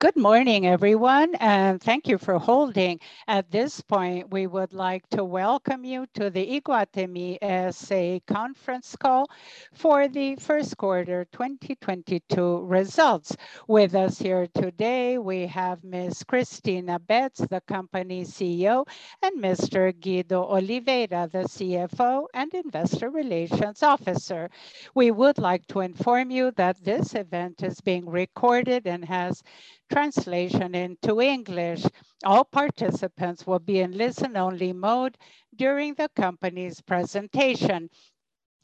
Good morning, everyone, and thank you for holding. At this point, we would like to welcome you to the Iguatemi S.A. conference call for the first quarter 2022 results. With us here today, we have Ms. Cristina Betts, the company's CEO, and Mr. Guido Oliveira, the CFO and investor relations officer. We would like to inform you that this event is being recorded and has translation into English. All participants will be in listen-only mode during the company's presentation.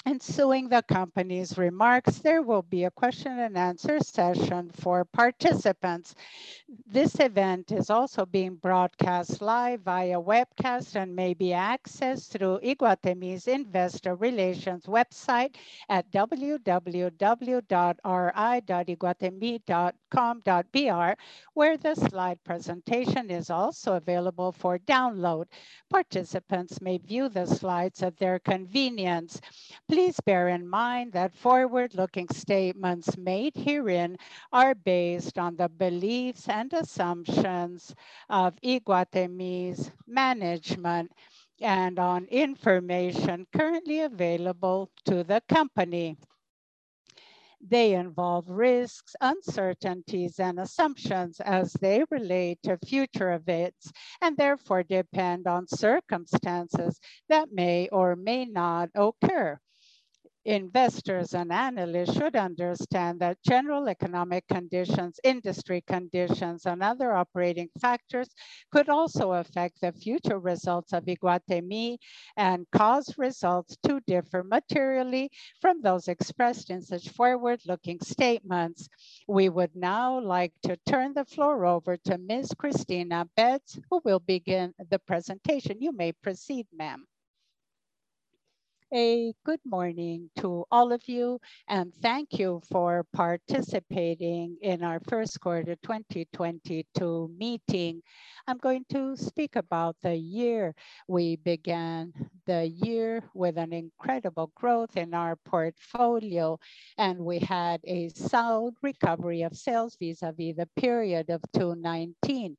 Ensuing the company's remarks, there will be a question and answer session for participants. This event is also being broadcast live via webcast and may be accessed through Iguatemi's investor relations website at www.ri.iguatemi.com.br, where the slide presentation is also available for download. Participants may view the slides at their convenience. Please bear in mind that forward-looking statements made herein are based on the beliefs and assumptions of Iguatemi's management and on information currently available to the company. They involve risks, uncertainties, and assumptions as they relate to future events, and therefore depend on circumstances that may or may not occur. Investors and analysts should understand that general economic conditions, industry conditions, and other operating factors could also affect the future results of Iguatemi and cause results to differ materially from those expressed in such forward-looking statements. We would now like to turn the floor over to Ms. Cristina Betts, who will begin the presentation. You may proceed, ma'am. A good morning to all of you, and thank you for participating in our first quarter 2022 meeting. I'm going to speak about the year. We began the year with an incredible growth in our portfolio, and we had a solid recovery of sales vis-à-vis the period of 2019.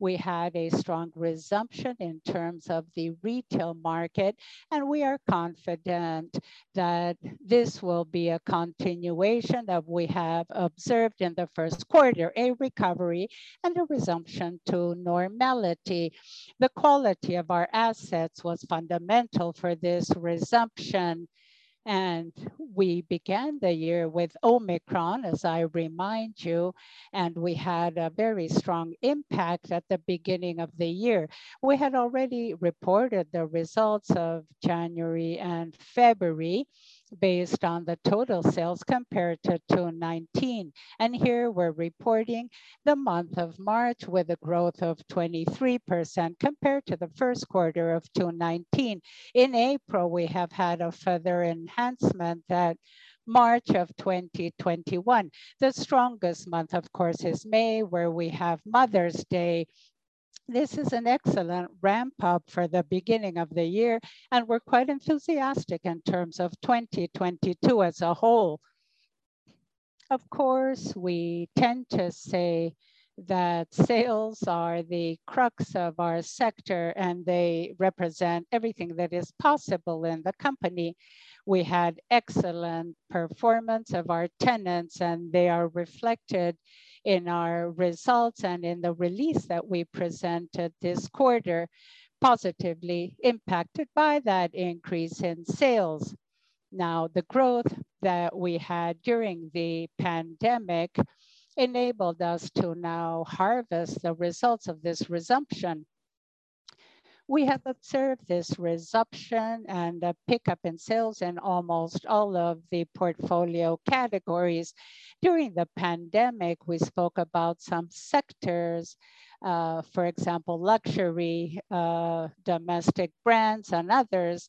We had a strong resumption in terms of the retail market, and we are confident that this will be a continuation that we have observed in the first quarter, a recovery and a resumption to normality. The quality of our assets was fundamental for this resumption. We began the year with Omicron, as I remind you, and we had a very strong impact at the beginning of the year. We had already reported the results of January and February based on the total sales compared to 2019. Here we're reporting the month of March with a growth of 23% compared to the first quarter of 2019. In April, we have had a further enhancement over March of 2021. The strongest month, of course, is May, where we have Mother's Day. This is an excellent ramp-up for the beginning of the year, and we're quite enthusiastic in terms of 2022 as a whole. Of course, we tend to say that sales are the crux of our sector, and they represent everything that is possible in the company. We had excellent performance of our tenants, and they are reflected in our results and in the release that we presented this quarter, positively impacted by that increase in sales. Now, the growth that we had during the pandemic enabled us to now harvest the results of this resumption. We have observed this resumption and a pickup in sales in almost all of the portfolio categories. During the pandemic, we spoke about some sectors, for example, luxury, domestic brands and others.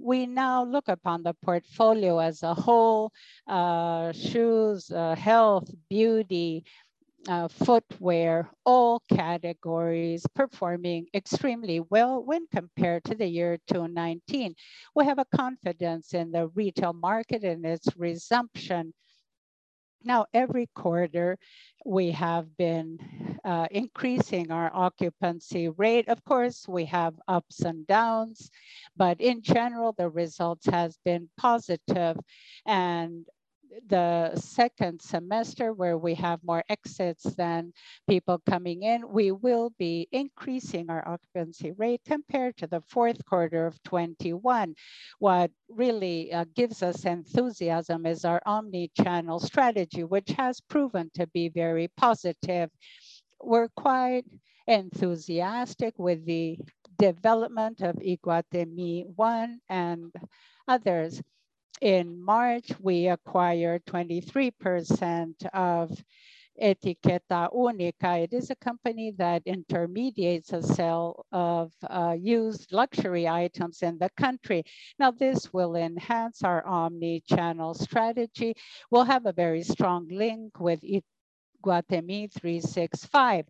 We now look upon the portfolio as a whole. Shoes, health, beauty, footwear, all categories performing extremely well when compared to 2019. We have a confidence in the retail market and its resumption. Now, every quarter we have been increasing our occupancy rate. Of course, we have ups and downs. In general, the results has been positive. The second semester, where we have more exits than people coming in, we will be increasing our occupancy rate compared to the fourth quarter of 2021. What really gives us enthusiasm is our omni-channel strategy, which has proven to be very positive. We're quite enthusiastic with the development of Iguatemi One and others. In March, we acquired 23% of Etiqueta Única. It is a company that intermediates the sale of used luxury items in the country. Now, this will enhance our omni-channel strategy. We'll have a very strong link with Iguatemi 365.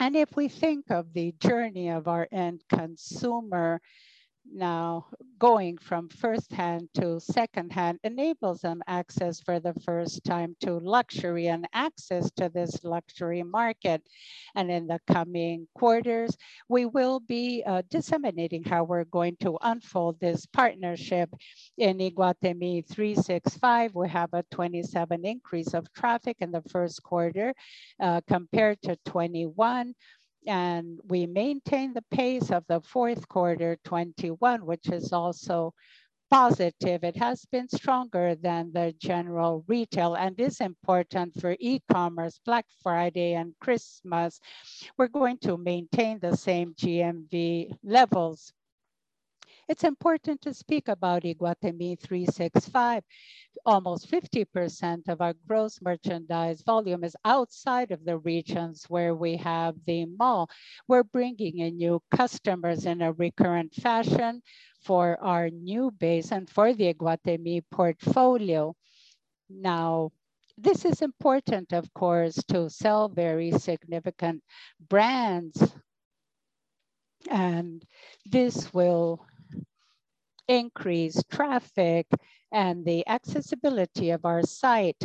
If we think of the journey of our end consumer now, going from firsthand to secondhand enables them access for the first time to luxury and access to this luxury market. In the coming quarters, we will be disseminating how we're going to unfold this partnership in Iguatemi 365. We have a 27% increase of traffic in the first quarter compared to 2021, and we maintain the pace of the fourth quarter 2021, which is also positive. It has been stronger than the general retail and is important for e-commerce, Black Friday, and Christmas. We're going to maintain the same GMV levels. It's important to speak about Iguatemi 365. Almost 50% of our gross merchandise volume is outside of the regions where we have the mall. We're bringing in new customers in a recurrent fashion for our new base and for the Iguatemi portfolio. Now, this is important, of course, to sell very significant brands, and this will increase traffic and the accessibility of our site.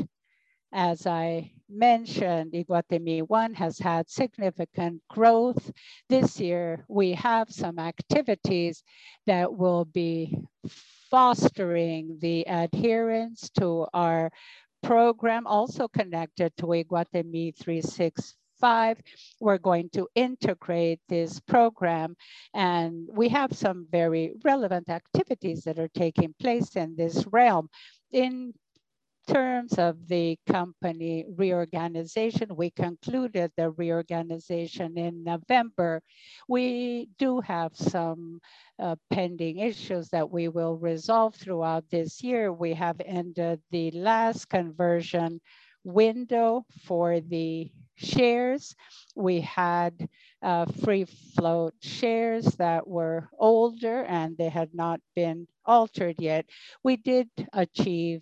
As I mentioned, Iguatemi One has had significant growth. This year, we have some activities that will be fostering the adherence to our program, also connected to Iguatemi 365. We're going to integrate this program, and we have some very relevant activities that are taking place in this realm. In terms of the company reorganization, we concluded the reorganization in November. We do have some pending issues that we will resolve throughout this year. We have ended the last conversion window for the shares. We had free float shares that were older, and they had not been altered yet. We did achieve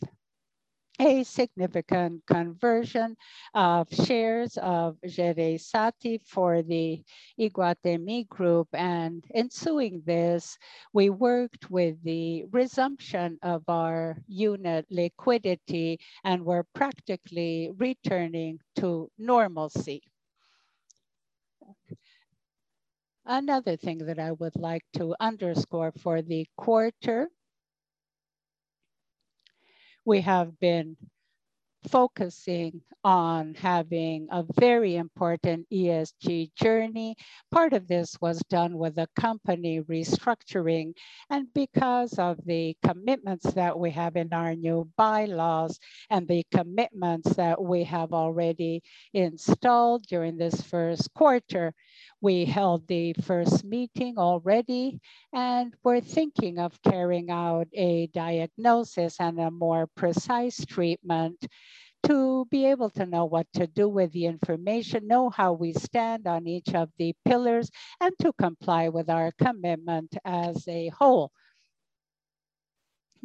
a significant conversion of shares of Jereissati for the Iguatemi group, and ensuing this, we worked with the resumption of our unit liquidity and we're practically returning to normalcy. Another thing that I would like to underscore for the quarter, we have been focusing on having a very important ESG journey. Part of this was done with the company restructuring. Because of the commitments that we have in our new bylaws and the commitments that we have already installed during this first quarter, we held the first meeting already, and we're thinking of carrying out a diagnosis and a more precise treatment to be able to know what to do with the information, know how we stand on each of the pillars, and to comply with our commitment as a whole.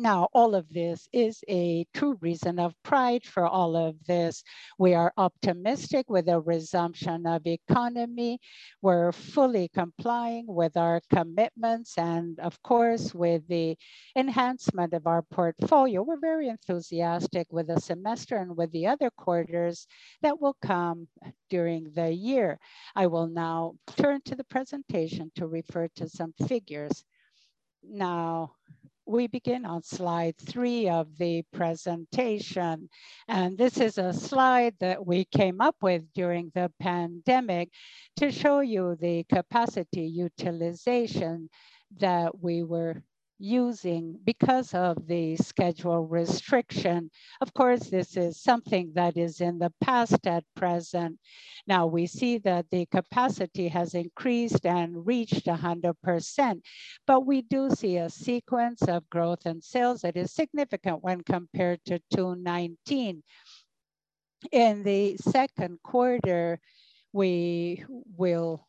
Now, all of this is a true reason of pride. For all of this, we are optimistic with the resumption of economy. We're fully complying with our commitments and, of course, with the enhancement of our portfolio. We're very enthusiastic with the semester and with the other quarters that will come during the year. I will now turn to the presentation to refer to some figures. Now, we begin on slide three of the presentation, and this is a slide that we came up with during the pandemic to show you the capacity utilization that we were using because of the schedule restriction. Of course, this is something that is in the past at present. Now, we see that the capacity has increased and reached 100%, but we do see a sequential growth in sales that is significant when compared to 2019. In the second quarter, we will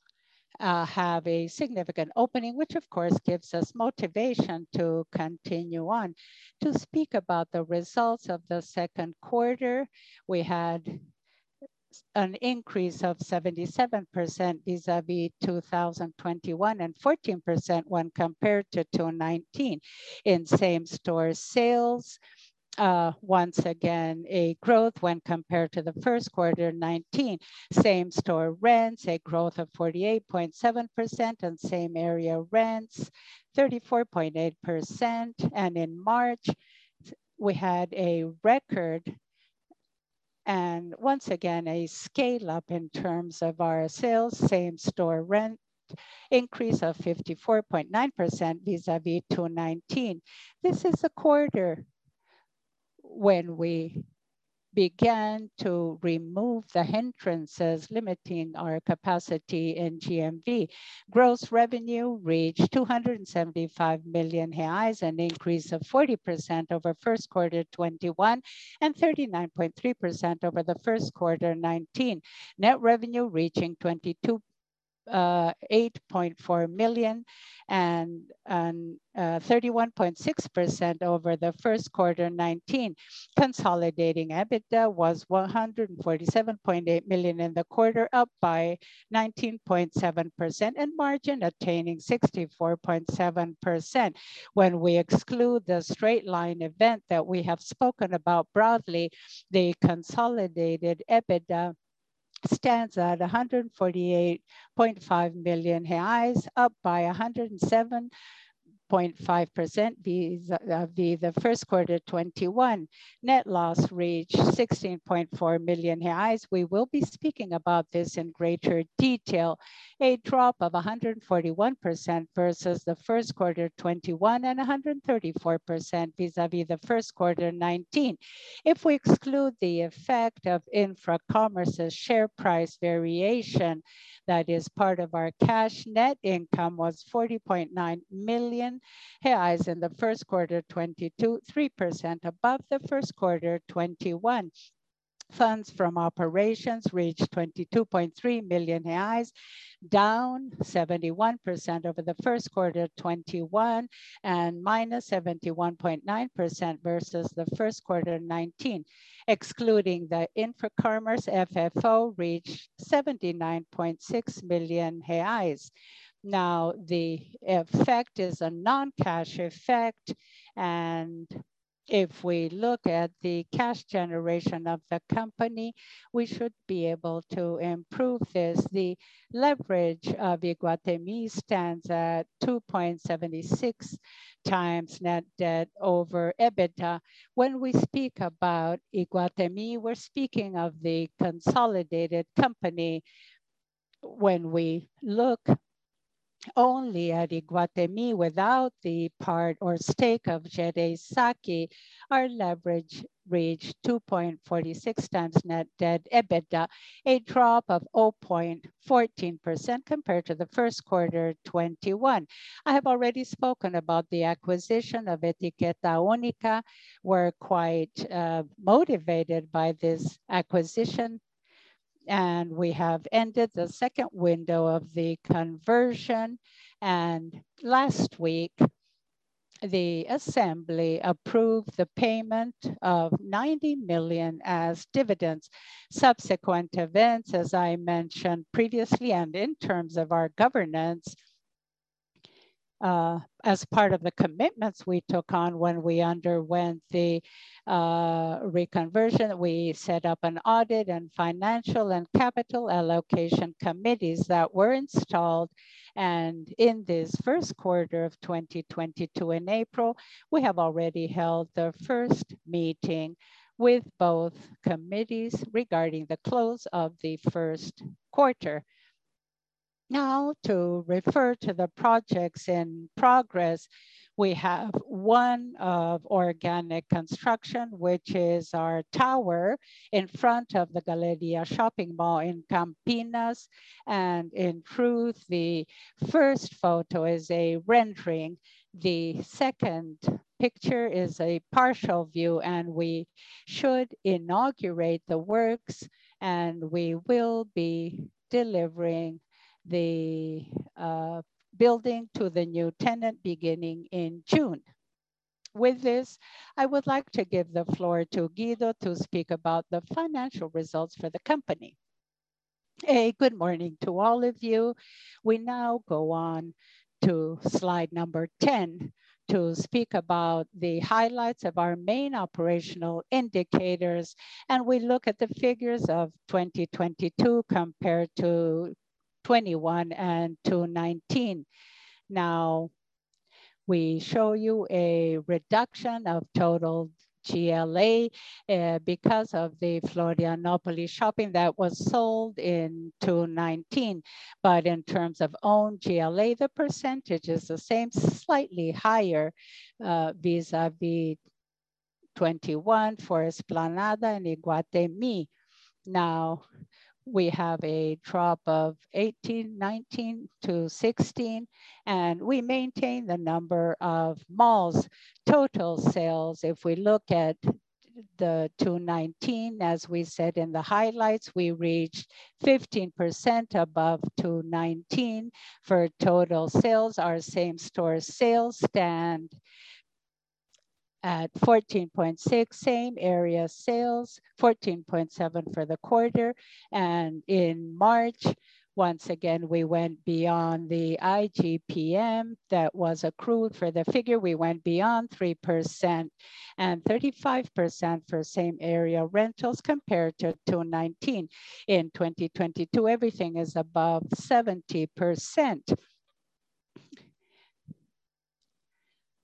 have a significant opening, which of course gives us motivation to continue on. To speak about the results of the second quarter, we had an increase of 77% vis-à-vis 2021, and 14% when compared to 2019. In same-store sales, once again, a growth when compared to the first quarter 2019. Same-store rents, a growth of 48.7%, and same area rents, 34.8%. In March, we had a record and once again, a scale-up in terms of our sales. Same-store rent increase of 54.9% vis-à-vis 2019. This is a quarter when we began to remove the hindrances limiting our capacity in GMV. Gross revenue reached 275 million reais, an increase of 40% over first quarter 2021 and 39.3% over the first quarter 2019. Net revenue reaching BRL 228.4 million and 31.6% over the first quarter 2019. Consolidated EBITDA was 147.8 million in the quarter, up by 19.7% and margin attaining 64.7%. When we exclude the straight line event that we have spoken about broadly, the consolidated EBITDA stands at 148.5 million reais, up by 107.5% vis-à-vis the first quarter 2021. Net loss reached 16.4 million reais. We will be speaking about this in greater detail. A drop of 141% versus the first quarter 2021 and 134% vis-à-vis the first quarter 2019. If we exclude the effect of Infracommerce's share price variation that is part of our cash net income was 40.9 million reais in the first quarter 2022, 3% above the first quarter 2021. Funds from operations reached 22.3 million reais, down 71% over the first quarter 2021 and minus 71.9% versus the first quarter 2019. Excluding the Infracommerce, FFO reached 79.6 million reais. Now, the effect is a non-cash effect, and if we look at the cash generation of the company, we should be able to improve this. The leverage of Iguatemi stands at 2.76x net debt over EBITDA. When we speak about Iguatemi, we're speaking of the consolidated company. When we look only at Iguatemi without the part or stake of Jereissati, our leverage reached 2.46x net debt EBITDA, a drop of 0.14% compared to the first quarter 2021. I have already spoken about the acquisition of Etiqueta Única. We're quite motivated by this acquisition, and we have ended the second window of the conversion. Last week, the assembly approved the payment of 90 million as dividends. Subsequent events, as I mentioned previously, and in terms of our governance, as part of the commitments we took on when we underwent the reconversion, we set up an audit and financial and capital allocation committees that were installed. In this first quarter of 2022 in April, we have already held the first meeting with both committees regarding the close of the first quarter. Now, to refer to the projects in progress, we have one of organic construction, which is our tower in front of the Galeria Shopping Mall in Campinas. In truth, the first photo is a rendering. The second picture is a partial view, and we should inaugurate the works, and we will be delivering the building to the new tenant beginning in June. With this, I would like to give the floor to Guido to speak about the financial results for the company. Good morning to all of you. We now go on to slide number 10 to speak about the highlights of our main operational indicators, and we look at the figures of 2022 compared to 2021 and to 2019. Now, we show you a reduction of total GLA because of the Florianópolis shopping that was sold in 2019. But in terms of own GLA, the percentage is the same, slightly higher vis-à-vis 2021 for Esplanada and Iguatemi. Now, we have a drop of 18% in 2019 to 16%, and we maintain the number of malls. Total sales, if we look at the 2019, as we said in the highlights, we reached 15% above 2019 for total sales. Our same store sales stand at 14.6. Same area sales, 14.7 for the quarter. In March, once again, we went beyond the IGPM that was accrued for the figure. We went beyond 3% and 35% for same area rentals compared to 2019. In 2022, everything is above 70%.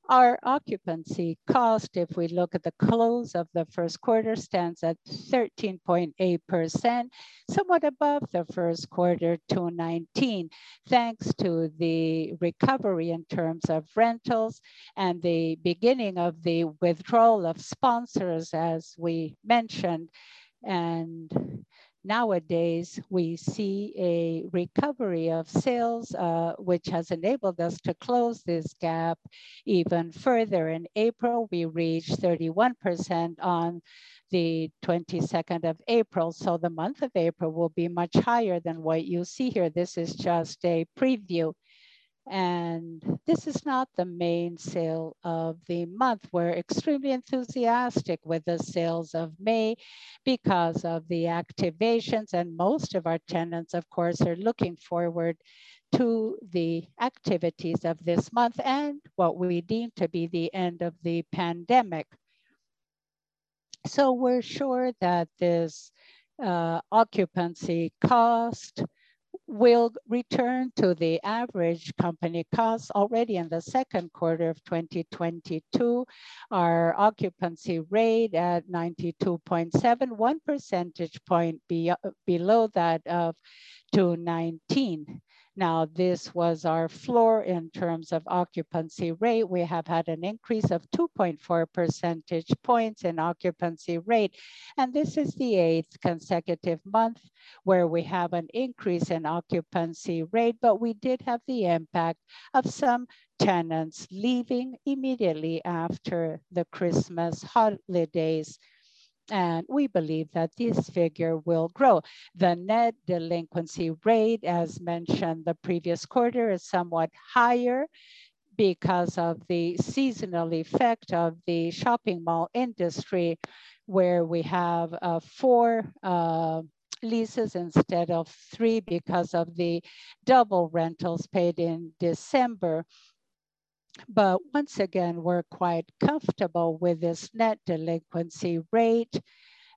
Our occupancy cost, if we look at the close of the first quarter, stands at 13.8%, somewhat above the first quarter 2019, thanks to the recovery in terms of rentals and the beginning of the withdrawal of sponsors, as we mentioned. Nowadays, we see a recovery of sales, which has enabled us to close this gap even further. In April, we reached 31% on the 22nd of April. The month of April will be much higher than what you see here. This is just a preview. This is not the main sale of the month. We're extremely enthusiastic with the sales of May because of the activations, and most of our tenants, of course, are looking forward to the activities of this month and what we deem to be the end of the pandemic. We're sure that this, occupancy cost will return to the average company costs already in the second quarter of 2022. Our occupancy rate at 92.7%, 1 percentage point below that of 2019. Now, this was our floor in terms of occupancy rate. We have had an increase of 2.4 percentage points in occupancy rate, and this is the eighth consecutive month where we have an increase in occupancy rate. We did have the impact of some tenants leaving immediately after the Christmas holidays, and we believe that this figure will grow. The net delinquency rate, as mentioned the previous quarter, is somewhat higher because of the seasonal effect of the shopping mall industry, where we have four leases instead of three because of the double rentals paid in December. Once again, we're quite comfortable with this net delinquency rate,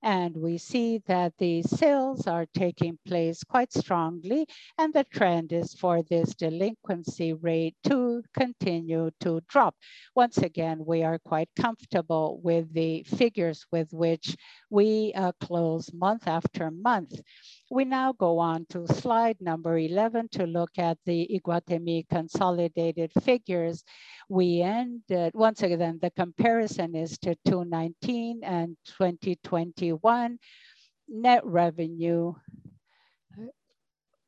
and we see that the sales are taking place quite strongly and the trend is for this delinquency rate to continue to drop. Once again, we are quite comfortable with the figures with which we close month after month. We now go on to slide number 11 to look at the Iguatemi consolidated figures. We end at. Once again, the comparison is to 2019 and 2021. Net revenue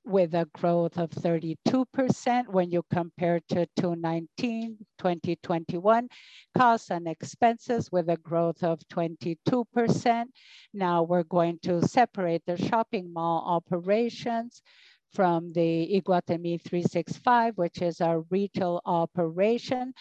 with a growth of 32% when you compare to 2019, 2021. Costs and expenses with a growth of 22%. Now we're going to separate the shopping mall operations from the Iguatemi 365, which is our retail operation.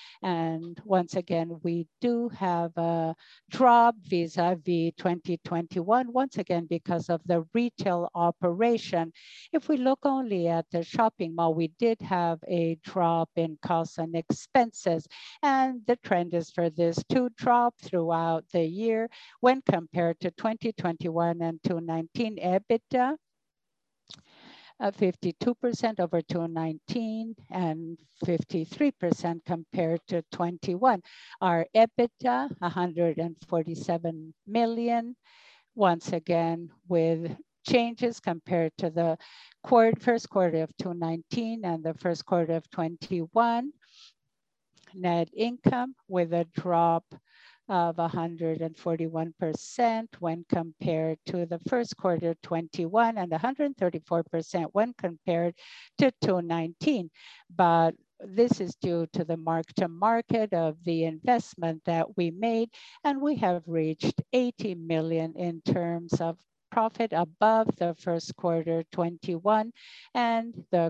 Once again, we do have a drop vis-à-vis 2021, once again because of the retail operation. If we look only at the shopping mall, we did have a drop in costs and expenses, and the trend is for this to drop throughout the year when compared to 2021 and 2019. EBITDA, 52% over 2019 and 53% compared to 2021. Our EBITDA, 147 million, once again with changes compared to the first quarter of 2019 and the first quarter of 2021. Net income with a drop of 141% when compared to the first quarter 2021 and 134% when compared to 2019. This is due to the mark-to-market of the investment that we made, and we have reached 80 million in terms of profit above the first quarter 2021 and the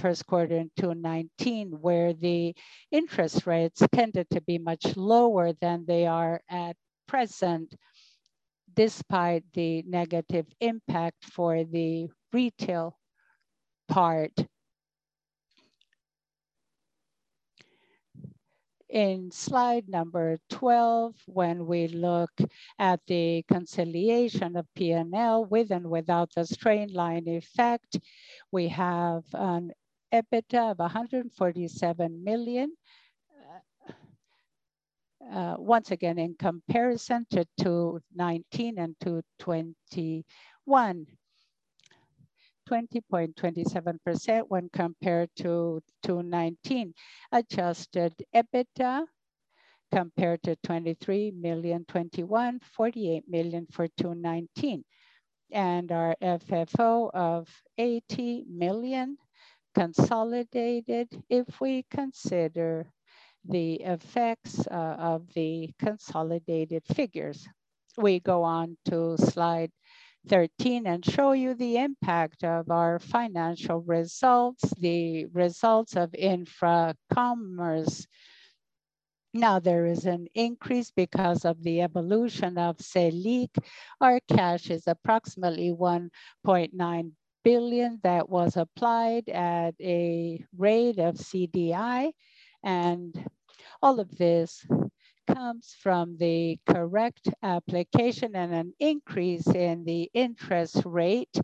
first quarter in 2019, where the interest rates tended to be much lower than they are at present, despite the negative impact for the retail part. In slide number 12, when we look at the reconciliation of P&L with and without the straight-line effect, we have an EBITDA of 147 million, once again in comparison to 2019 and 2021. 20.27% when compared to 2019. Adjusted EBITDA compared to 23 million 2021, 48 million for 2019. Our FFO of 80 million consolidated if we consider the effects of the consolidated figures. We go on to slide 13 and show you the impact of our financial results, the results of Infracommerce. Now there is an increase because of the evolution of Selic. Our cash is approximately 1.9 billion. That was applied at a rate of CDI. All of this comes from the correct application and an increase in the interest rate.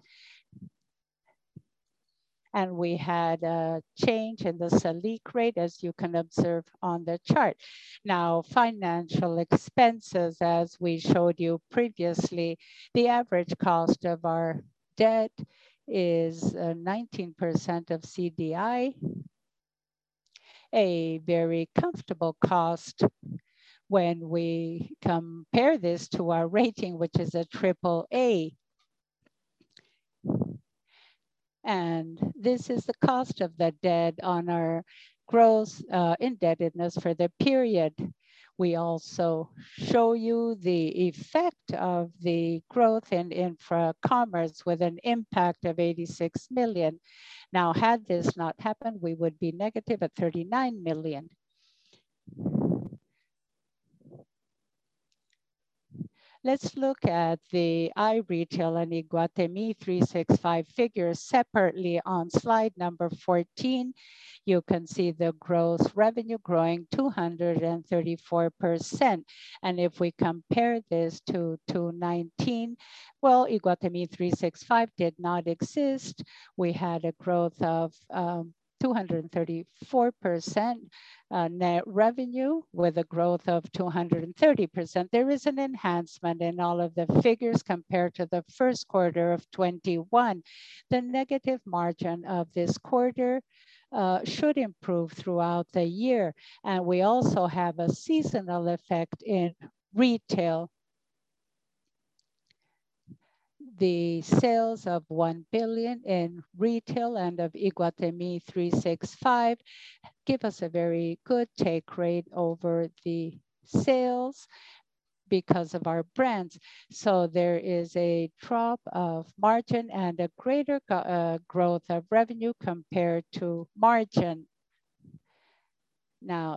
We had a change in the Selic rate, as you can observe on the chart. Now, financial expenses, as we showed you previously, the average cost of our debt is 19% of CDI. A very comfortable cost when we compare this to our rating, which is AAA. This is the cost of the debt on our gross indebtedness for the period. We also show you the effect of the growth in Infracommerce with an impact of 86 million. Now, had this not happened, we would be negative at 39 million. Let's look at the iRetail and Iguatemi 365 figures separately. On slide number 14, you can see the gross revenue growing 234%. If we compare this to 2019, well, Iguatemi 365 did not exist. We had a growth of 234%, net revenue with a growth of 230%. There is an enhancement in all of the figures compared to the first quarter of 2021. The negative margin of this quarter should improve throughout the year, and we also have a seasonal effect in retail. The sales of 1 billion in retail and of Iguatemi 365 give us a very good take rate over the sales because of our brands. There is a drop of margin and a greater growth of revenue compared to margin.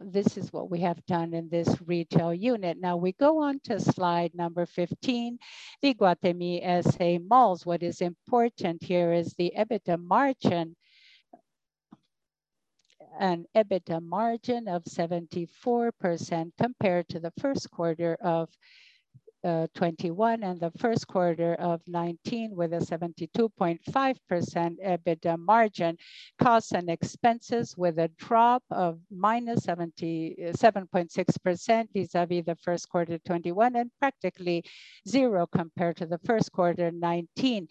This is what we have done in this retail unit. We go on to slide number 15, Iguatemi S.A. malls. What is important here is the EBITDA margin. An EBITDA margin of 74% compared to the first quarter of 2021 and the first quarter of 2019, with a 72.5% EBITDA margin. Costs and expenses with a drop of minus 7.6% vis-à-vis the first quarter 2021 and practically zero compared to the first quarter 2019.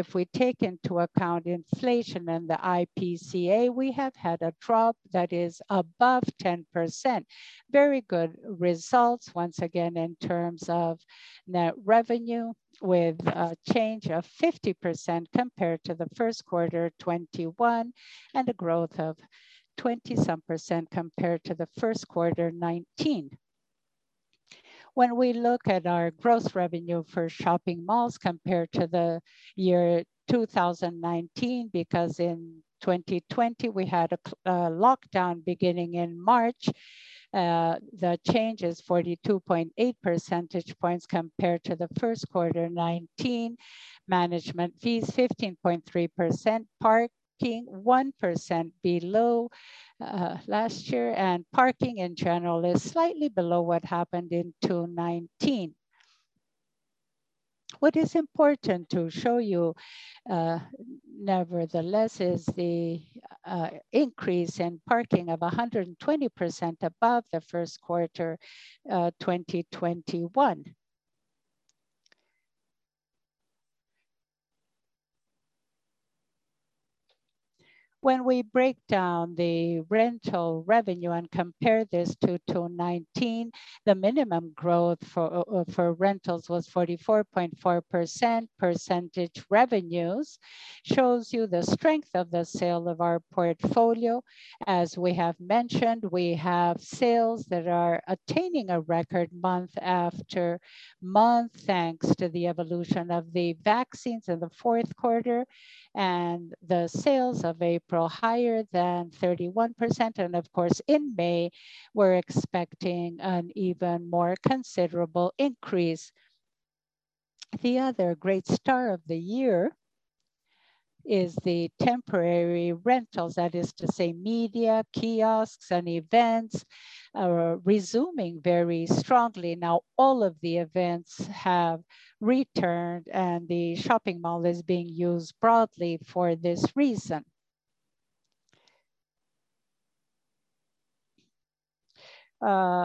If we take into account inflation and the IPCA, we have had a drop that is above 10%. Very good results once again in terms of net revenue with a change of 50% compared to the first quarter 2021, and a growth of 20-some% compared to the first quarter 2019. When we look at our gross revenue for shopping malls compared to the year 2019, because in 2020 we had a lockdown beginning in March, the change is 42.8 percentage points compared to the first quarter 2019. Management fees, 15.3%. Parking, 1% below last year. Parking in general is slightly below what happened in 2019. What is important to show you, nevertheless, is the increase in parking of 120% above the first quarter 2021. When we break down the rental revenue and compare this to 2019, the minimum growth for rentals was 44.4%. Percentage revenues shows you the strength of the sale of our portfolio. As we have mentioned, we have sales that are attaining a record month after month, thanks to the evolution of the vaccines in the fourth quarter and the sales of April higher than 31%. Of course, in May, we're expecting an even more considerable increase. The other great star of the year is the temporary rentals. That is to say media, kiosks, and events are resuming very strongly. Now all of the events have returned, and the shopping mall is being used broadly for this reason.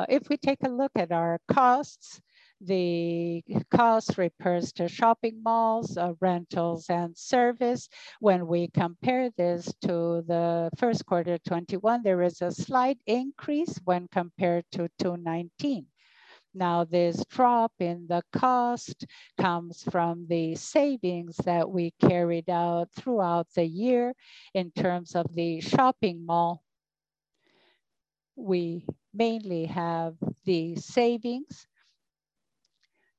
If we take a look at our costs, the costs refers to shopping malls, rentals, and service. When we compare this to the first quarter 2021, there is a slight increase when compared to 2019. This drop in the cost comes from the savings that we carried out throughout the year. In terms of the shopping mall, we mainly have the savings.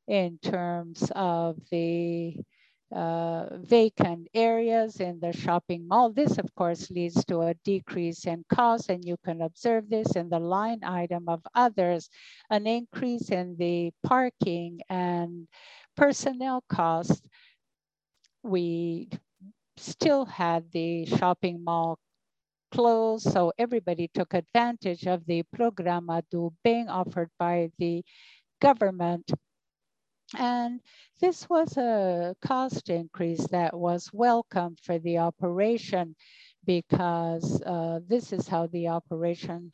In terms of the vacant areas in the shopping mall, this of course leads to a decrease in cost, and you can observe this in the line item of others. An increase in the parking and personnel cost. We still had the shopping mall closed, so everybody took advantage of the Programa BEm being offered by the government. This was a cost increase that was welcome for the operation because this is how the operation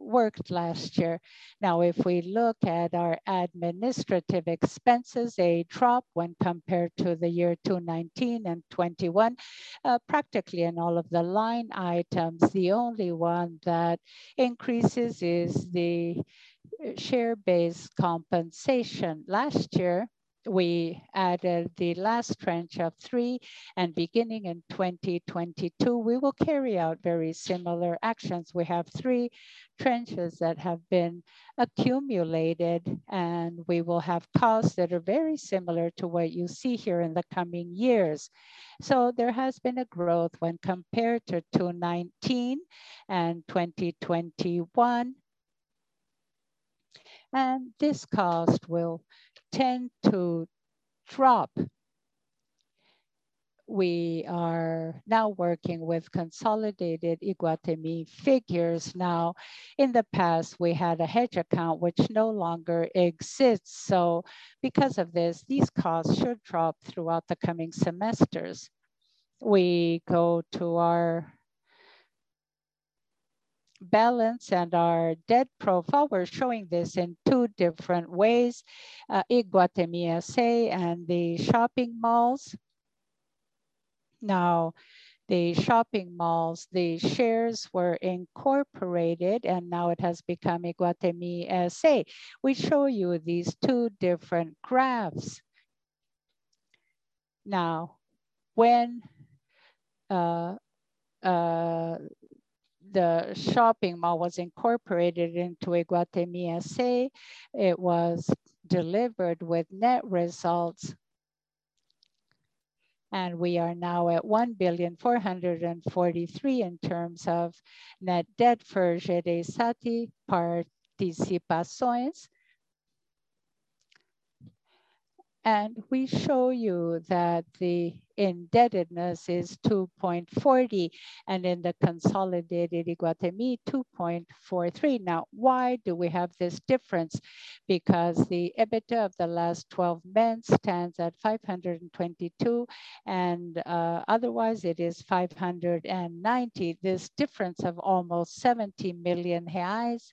worked last year. Now, if we look at our administrative expenses, a drop when compared to the year 2019 and 2021, practically in all of the line items. The only one that increases is the share-based compensation. Last year, we added the last tranche of three, and beginning in 2022, we will carry out very similar actions. We have three tranches that have been accumulated, and we will have costs that are very similar to what you see here in the coming years. There has been a growth when compared to 2019 and 2021. This cost will tend to drop. We are now working with consolidated Iguatemi figures now. In the past, we had a hedge account which no longer exists. Because of this, these costs should drop throughout the coming semesters. We go to our balance sheet and our debt profile. We're showing this in two different ways, Iguatemi S.A. and the shopping malls. Now, the shopping malls, the shares were incorporated, and now it has become Iguatemi S.A. We show you these two different graphs. Now, when the shopping mall was incorporated into Iguatemi S.A., it was delivered with net debt. We are now at 1.443 billion in terms of net debt for Jereissati Participações. We show you that the indebtedness is 2.40x, and in the consolidated Iguatemi, 2.43x. Now, why do we have this difference? Because the EBITDA of the last twelve months stands at 522 million, and otherwise it is 590 million. This difference of almost 70 million reais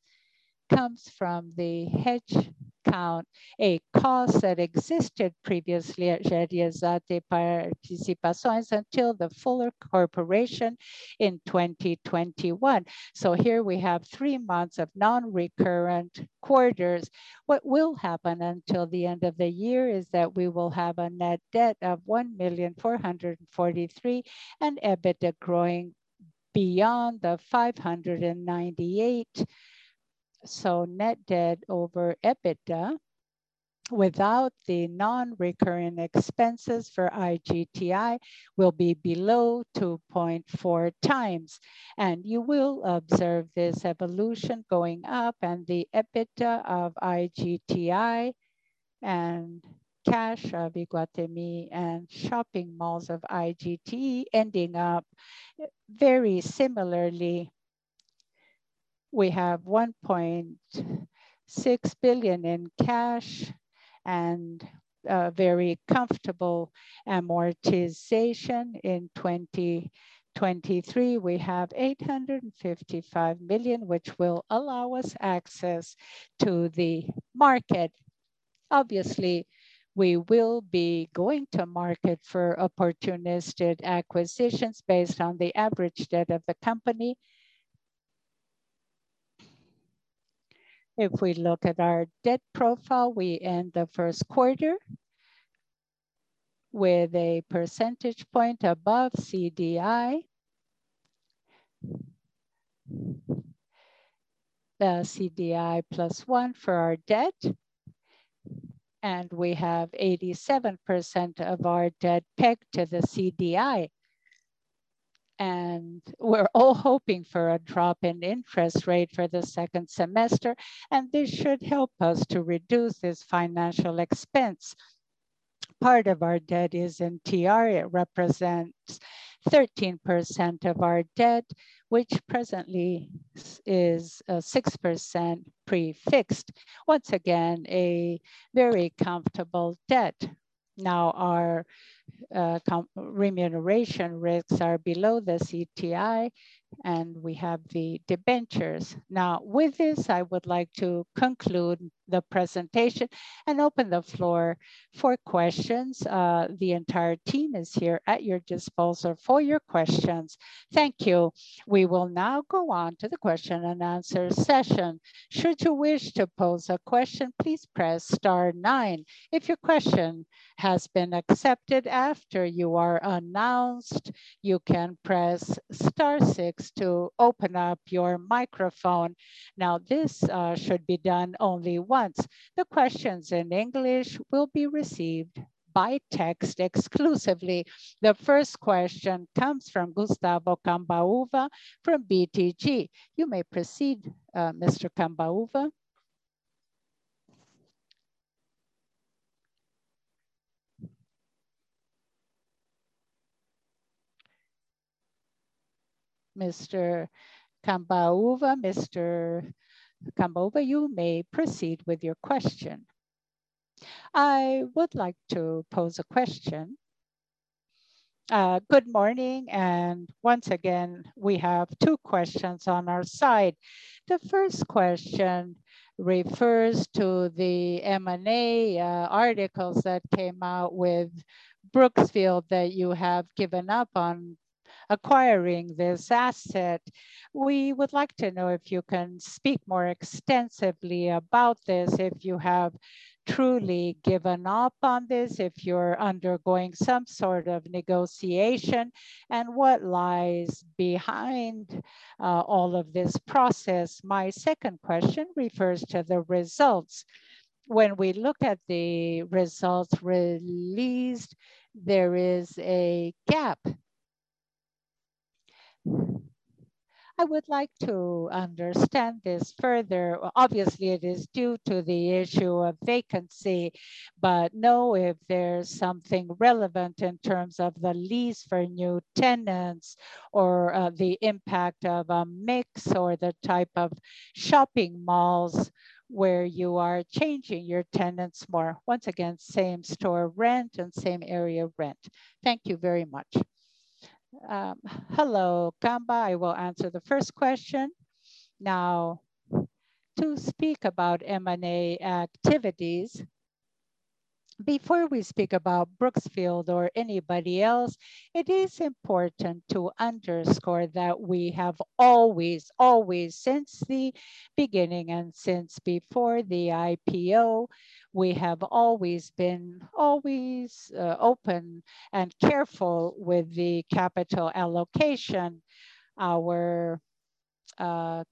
comes from the hedge account, a cost that existed previously at Jereissati Participações until the full merger in 2021. Here we have three months of non-recurring quarters. What will happen until the end of the year is that we will have a net debt of 1.443 billion, and EBITDA growing beyond the 598. Net debt over EBITDA without the non-recurring expenses for IGTI will be below 2.4x. You will observe this evolution going up and the EBITDA of IGTI and cash of Iguatemi and shopping malls of IGT ending up very similarly. We have 1.6 billion in cash and a very comfortable amortization. In 2023, we have 855 million, which will allow us access to the market. Obviously, we will be going to market for opportunistic acquisitions based on the average debt of the company. If we look at our debt profile, we end the first quarter with a percentage point above CDI. The CDI +1 for our debt, and we have 87% of our debt pegged to the CDI. We're all hoping for a drop in interest rate for the second semester, and this should help us to reduce this financial expense. Part of our debt is in TR. It represents 13% of our debt, which presently is 6% pre-fixed. Once again, a very comfortable debt. Now, our remuneration risks are below the CDI, and we have the debentures. Now, with this, I would like to conclude the presentation and open the floor for questions. The entire team is here at your disposal for your questions. Thank you. We will now go on to the question and answer session. Should you wish to pose a question, please press star nine. If your question has been accepted after you are announced, you can press star six to open up your microphone. Now, this should be done only once. The questions in English will be received by text exclusively. The first question comes from Gustavo Cambauva from BTG. You may proceed, Mr. Cambauva. Mr. Cambauva, you may proceed with your question. I would like to pose a question. Good morning, and once again, we have two questions on our side. The first question refers to the M&A articles that came out with Brookfield that you have given up on acquiring this asset. We would like to know if you can speak more extensively about this, if you have truly given up on this, if you're undergoing some sort of negotiation, and what lies behind all of this process. My second question refers to the results. When we look at the results released, there is a gap. I would like to understand this further. Obviously, it is due to the issue of vacancy, but know if there's something relevant in terms of the lease for new tenants or the impact of a mix or the type of shopping malls where you are changing your tenants more. Once again, same store rent and same area rent. Thank you very much. Hello, Cambauva. I will answer the first question. Now, to speak about M&A activities, before we speak about Brookfield or anybody else, it is important to underscore that we have always, since the beginning and since before the IPO, we have always been open and careful with the capital allocation. Our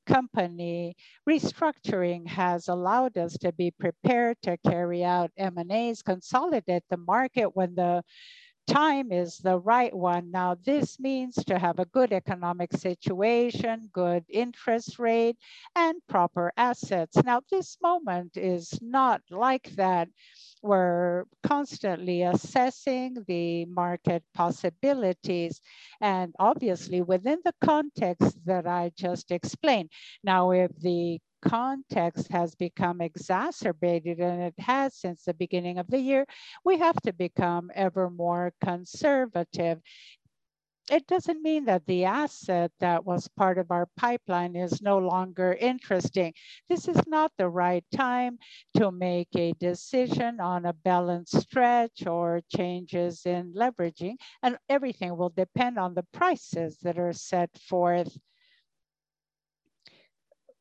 company restructuring has allowed us to be prepared to carry out M&As, consolidate the market when the time is the right one. Now, this means to have a good economic situation, good interest rate, and proper assets. Now, this moment is not like that. We're constantly assessing the market possibilities, and obviously, within the context that I just explained. Now, if the context has become exacerbated, and it has since the beginning of the year, we have to become ever more conservative. It doesn't mean that the asset that was part of our pipeline is no longer interesting. This is not the right time to make a decision on a balance sheet or changes in leverage, and everything will depend on the prices that are set forth.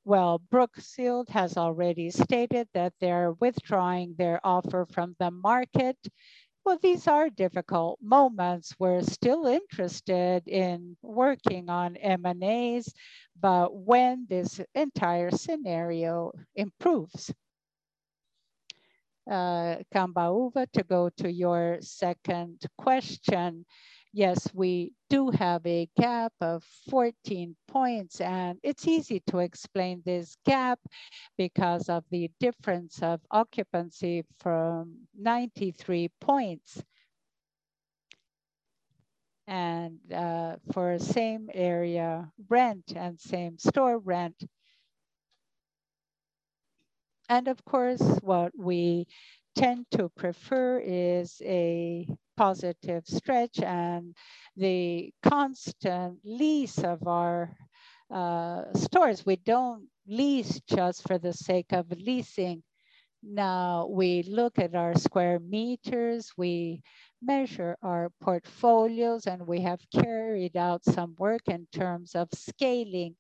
Well, Brookfield has already stated that they're withdrawing their offer from the market. Well, these are difficult moments. We're still interested in working on M&As, but when this entire scenario improves. Cambauva, over to your second question. Yes, we do have a gap of 14 points, and it's easy to explain this gap because of the difference of occupancy from 93 points. For same area rent and same store rent. Of course, what we tend to prefer is a positive spread and the constant lease of our stores. We don't lease just for the sake of leasing. Now, we look at our square meters, we measure our portfolios, and we have carried out some work in terms of scaling.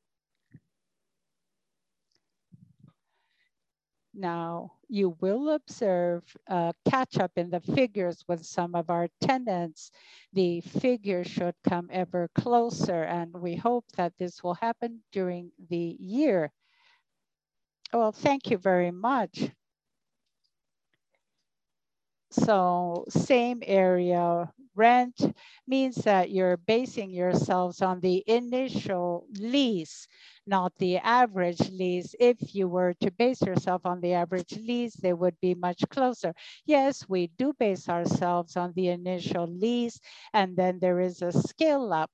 Now, you will observe a catch-up in the figures with some of our tenants. The figure should come ever closer, and we hope that this will happen during the year. Well, thank you very much. Same area rent means that you're basing yourselves on the initial lease, not the average lease. If you were to base yourself on the average lease, they would be much closer. Yes, we do base ourselves on the initial lease, and then there is a scale up.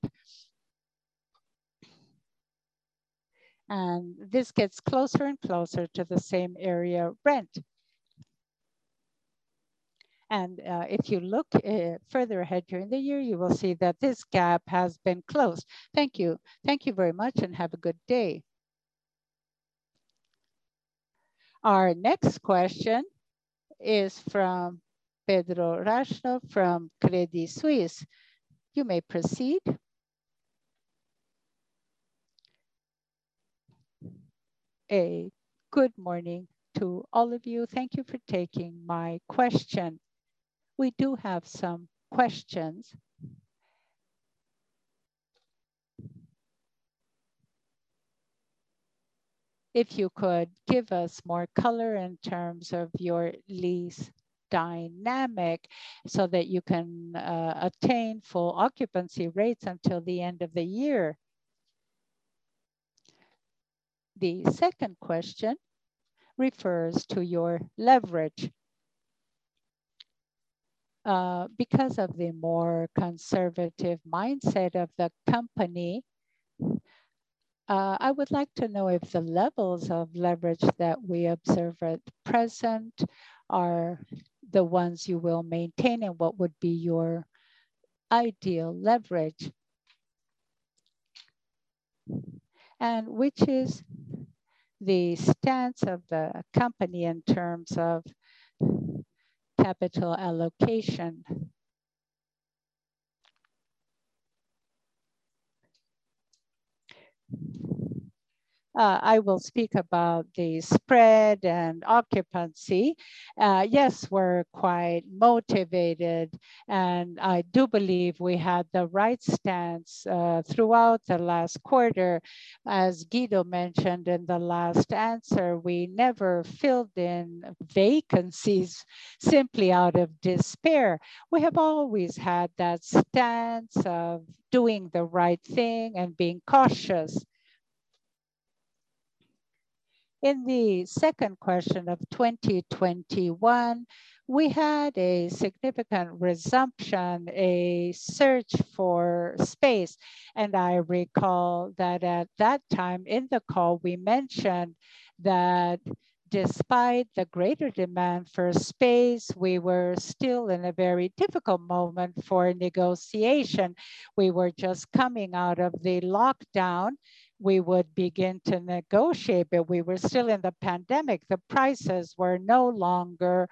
This gets closer and closer to the same area rent. If you look further ahead during the year, you will see that this gap has been closed. Thank you. Thank you very much, and have a good day. Our next question is from Pedro Racho from Credit Suisse. You may proceed. Good morning to all of you. Thank you for taking my question. We do have some questions. If you could give us more color in terms of your lease dynamic so that you can obtain full occupancy rates until the end of the year. The second question refers to your leverage. Because of the more conservative mindset of the company, I would like to know if the levels of leverage that we observe at present are the ones you will maintain, and what would be your ideal leverage? Which is the stance of the company in terms of capital allocation? I will speak about the spread and occupancy. Yes, we're quite motivated, and I do believe we had the right stance throughout the last quarter. As Guido mentioned in the last answer, we never filled in vacancies simply out of despair. We have always had that stance of doing the right thing and being cautious. In the second quarter of 2021, we had a significant resumption, a search for space. I recall that at that time in the call, we mentioned that despite the greater demand for space, we were still in a very difficult moment for negotiation. We were just coming out of the lockdown. We would begin to negotiate, but we were still in the pandemic. The prices were no longer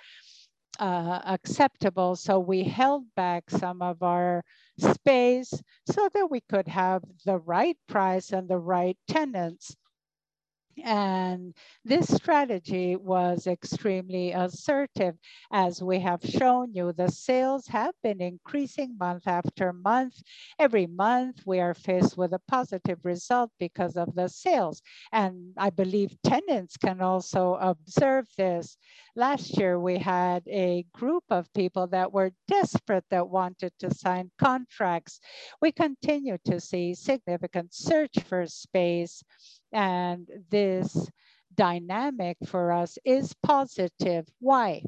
acceptable, so we held back some of our space so that we could have the right price and the right tenants. This strategy was extremely assertive. As we have shown you, the sales have been increasing month after month. Every month, we are faced with a positive result because of the sales, and I believe tenants can also observe this. Last year, we had a group of people that were desperate that wanted to sign contracts. We continue to see significant search for space, and this dynamic for us is positive. Why?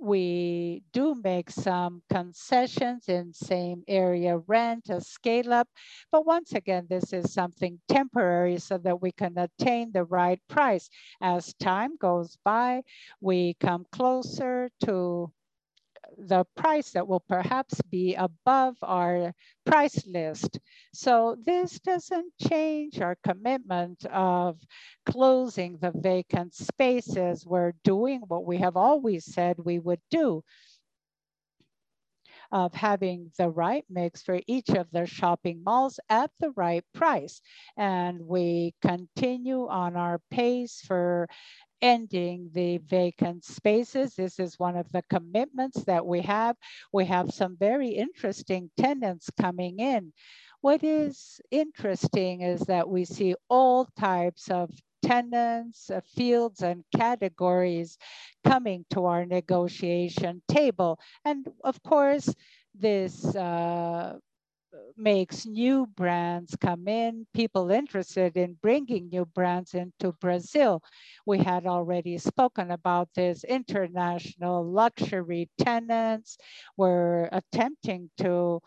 We do make some concessions in same area rent, a scale-up. Once again, this is something temporary so that we can attain the right price. As time goes by, we come closer to the price that will perhaps be above our price list. This doesn't change our commitment of closing the vacant spaces. We're doing what we have always said we would do, of having the right mix for each of their shopping malls at the right price. We continue on our pace for ending the vacant spaces. This is one of the commitments that we have. We have some very interesting tenants coming in. What is interesting is that we see all types of tenants, fields, and categories coming to our negotiation table. Of course, this makes new brands come in, people interested in bringing new brands into Brazil. We had already spoken about this. International luxury tenants. We're attempting to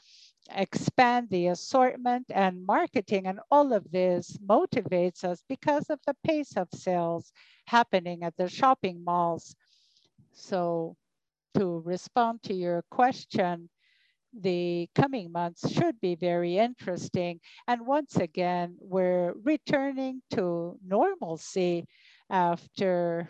expand the assortment and marketing, and all of this motivates us because of the pace of sales happening at the shopping malls. To respond to your question, the coming months should be very interesting. Once again, we're returning to normalcy after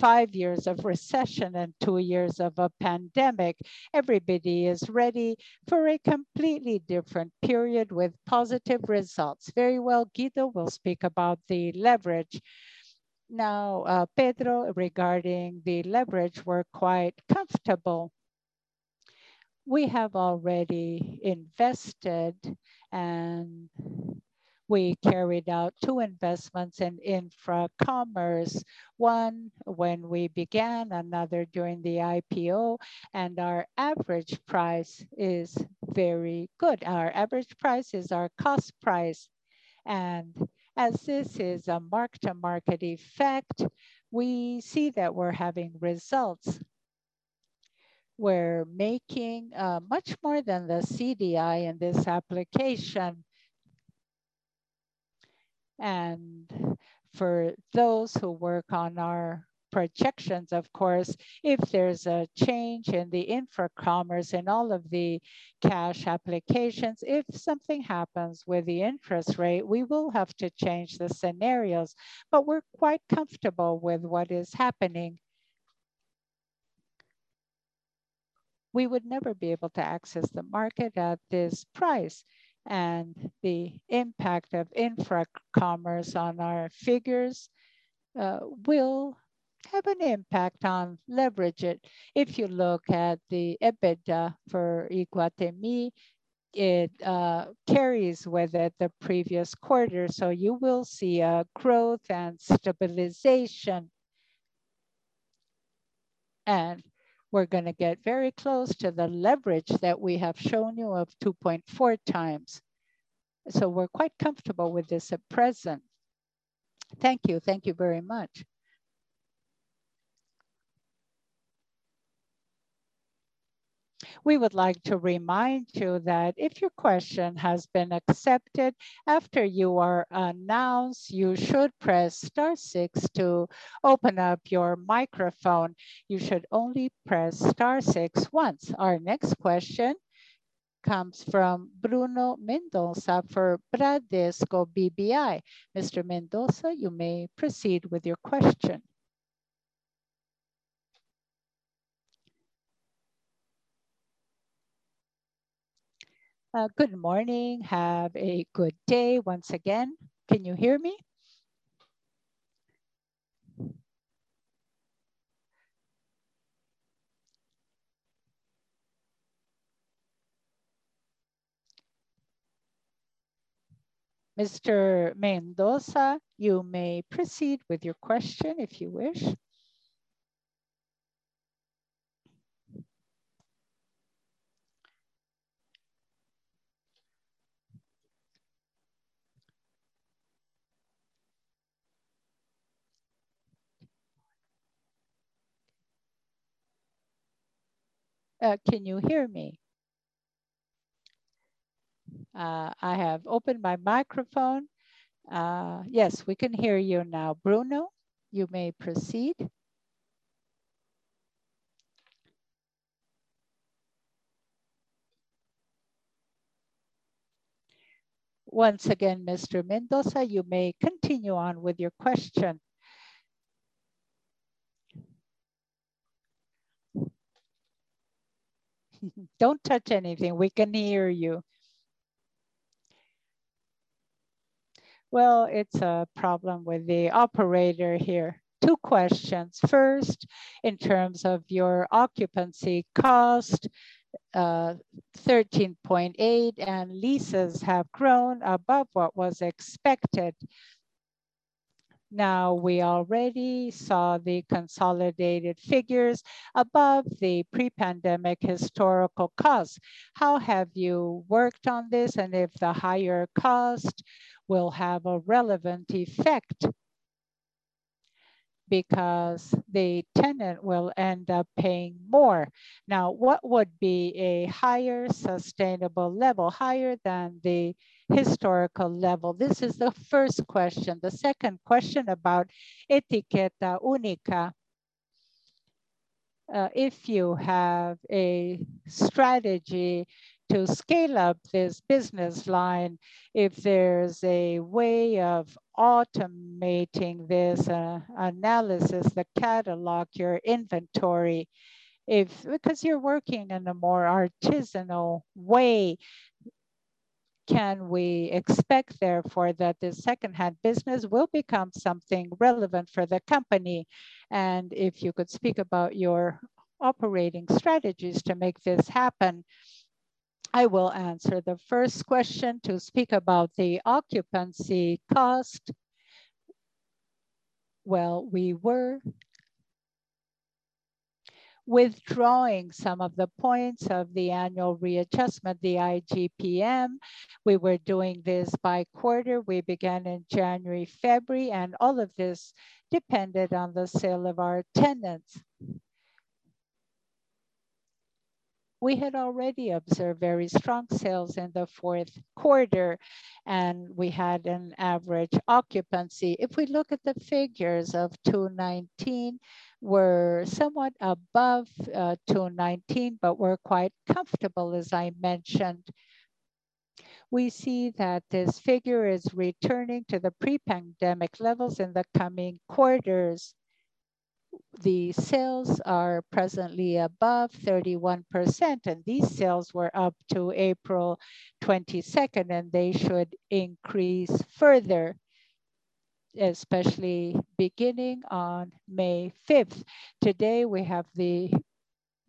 five years of recession and two years of a pandemic. Everybody is ready for a completely different period with positive results. Very well. Guido will speak about the leverage. Now, Pedro, regarding the leverage, we're quite comfortable. We have already invested, and we carried out two investments in Infracommerce, one when we began, another during the IPO, and our average price is very good. Our average price is our cost price. As this is a mark-to-market effect, we see that we're having results. We're making much more than the CDI in this application. For those who work on our projections, of course, if there's a change in the Infracommerce and all of the cash applications, if something happens with the interest rate, we will have to change the scenarios. We're quite comfortable with what is happening. We would never be able to access the market at this price, and the impact of Infracommerce on our figures will have an impact on leverage. If you look at the EBITDA for Iguatemi, it carries with it the previous quarter, so you will see a growth and stabilization. We're gonna get very close to the leverage that we have shown you of 2.4x. We're quite comfortable with this at present. Thank you. Thank you very much. We would like to remind you that if your question has been accepted, after you are announced, you should press star six to open up your microphone. You should only press star six once. Our next question comes from Bruno Mendonça for Bradesco BBI. Mr. Mendonça, you may proceed with your question. Good morning. Have a good day once again. Can you hear me? Mr. Mendonça, you may proceed with your question if you wish. Can you hear me? I have opened my microphone. Yes, we can hear you now, Bruno. You may proceed. Once again, Mr. Mendonça, you may continue on with your question. Don't touch anything. We can hear you. Well, it's a problem with the operator here. Two questions. First, in terms of your occupancy cost, 13.8%, and leases have grown above what was expected. We already saw the consolidated figures above the pre-pandemic historical cost. How have you worked on this? If the higher cost will have a relevant effect because the tenant will end up paying more. What would be a higher sustainable level, higher than the historical level? This is the first question. The second question about Etiqueta Única. If you have a strategy to scale up this business line, if there's a way of automating this, analysis, the catalog, your inventory, if- Because you're working in a more artisanal way, can we expect, therefore, that the second-hand business will become something relevant for the company? If you could speak about your operating strategies to make this happen. I will answer the first question to speak about the occupancy cost. Well, we were withdrawing some of the points of the annual readjustment, the IGPM. We were doing this by quarter. We began in January, February, and all of this depended on the sales of our tenants. We had already observed very strong sales in the fourth quarter, and we had an average occupancy. If we look at the figures of 2019, we're somewhat above 2019, but we're quite comfortable, as I mentioned. We see that this figure is returning to the pre-pandemic levels in the coming quarters. The sales are presently above 31%, and these sales were up to April 22nd, and they should increase further, especially beginning on May 5th. Today, we have the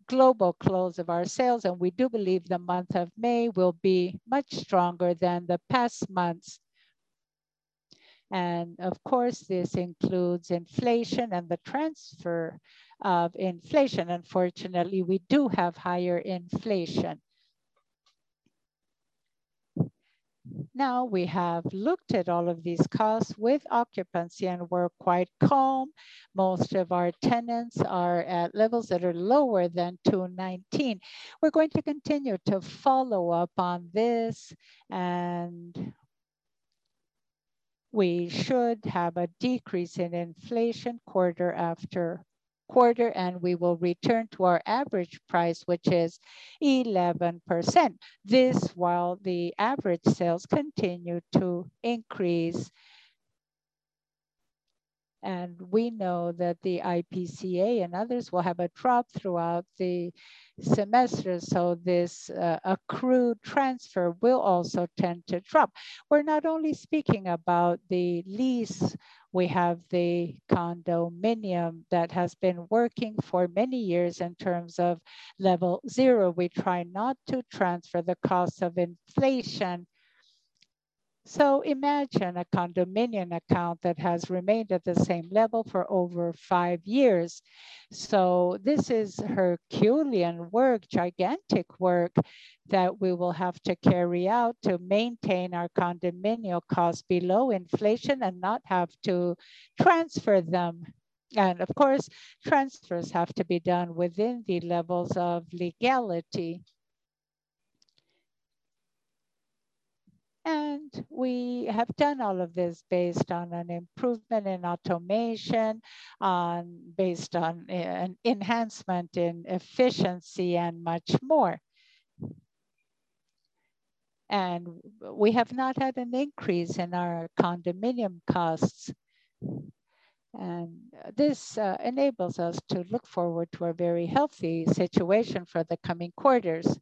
global close of our sales, and we do believe the month of May will be much stronger than the past months. Of course, this includes inflation and the transfer of inflation. Unfortunately, we do have higher inflation. Now, we have looked at all of these costs with occupancy, and we're quite calm. Most of our tenants are at levels that are lower than 2.19. We're going to continue to follow up on this, and we should have a decrease in inflation quarter after quarter, and we will return to our average price, which is 11%. This, while the average sales continue to increase. We know that the IPCA and others will have a drop throughout the semester, so this accrued transfer will also tend to drop. We're not only speaking about the lease. We have the condominium that has been working for many years in terms of level zero. We try not to transfer the cost of inflation. Imagine a condominium account that has remained at the same level for over five years. This is herculean work, gigantic work that we will have to carry out to maintain our condominium cost below inflation and not have to transfer them. Of course, transfers have to be done within the levels of legality. We have done all of this based on an improvement in automation and an enhancement in efficiency and much more. We have not had an increase in our condominium costs, and this enables us to look forward to a very healthy situation for the coming quarters.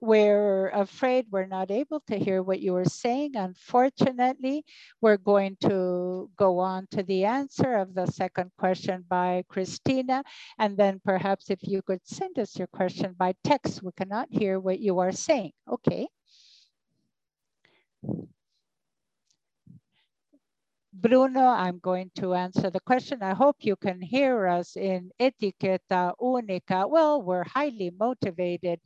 We're afraid we're not able to hear what you are saying, unfortunately. We're going to go on to the answer of the second question by Cristina, and then perhaps if you could send us your question by text. We cannot hear what you are saying. Okay. Bruno, I'm going to answer the question. I hope you can hear us in Etiqueta Única. Well, we're highly motivated.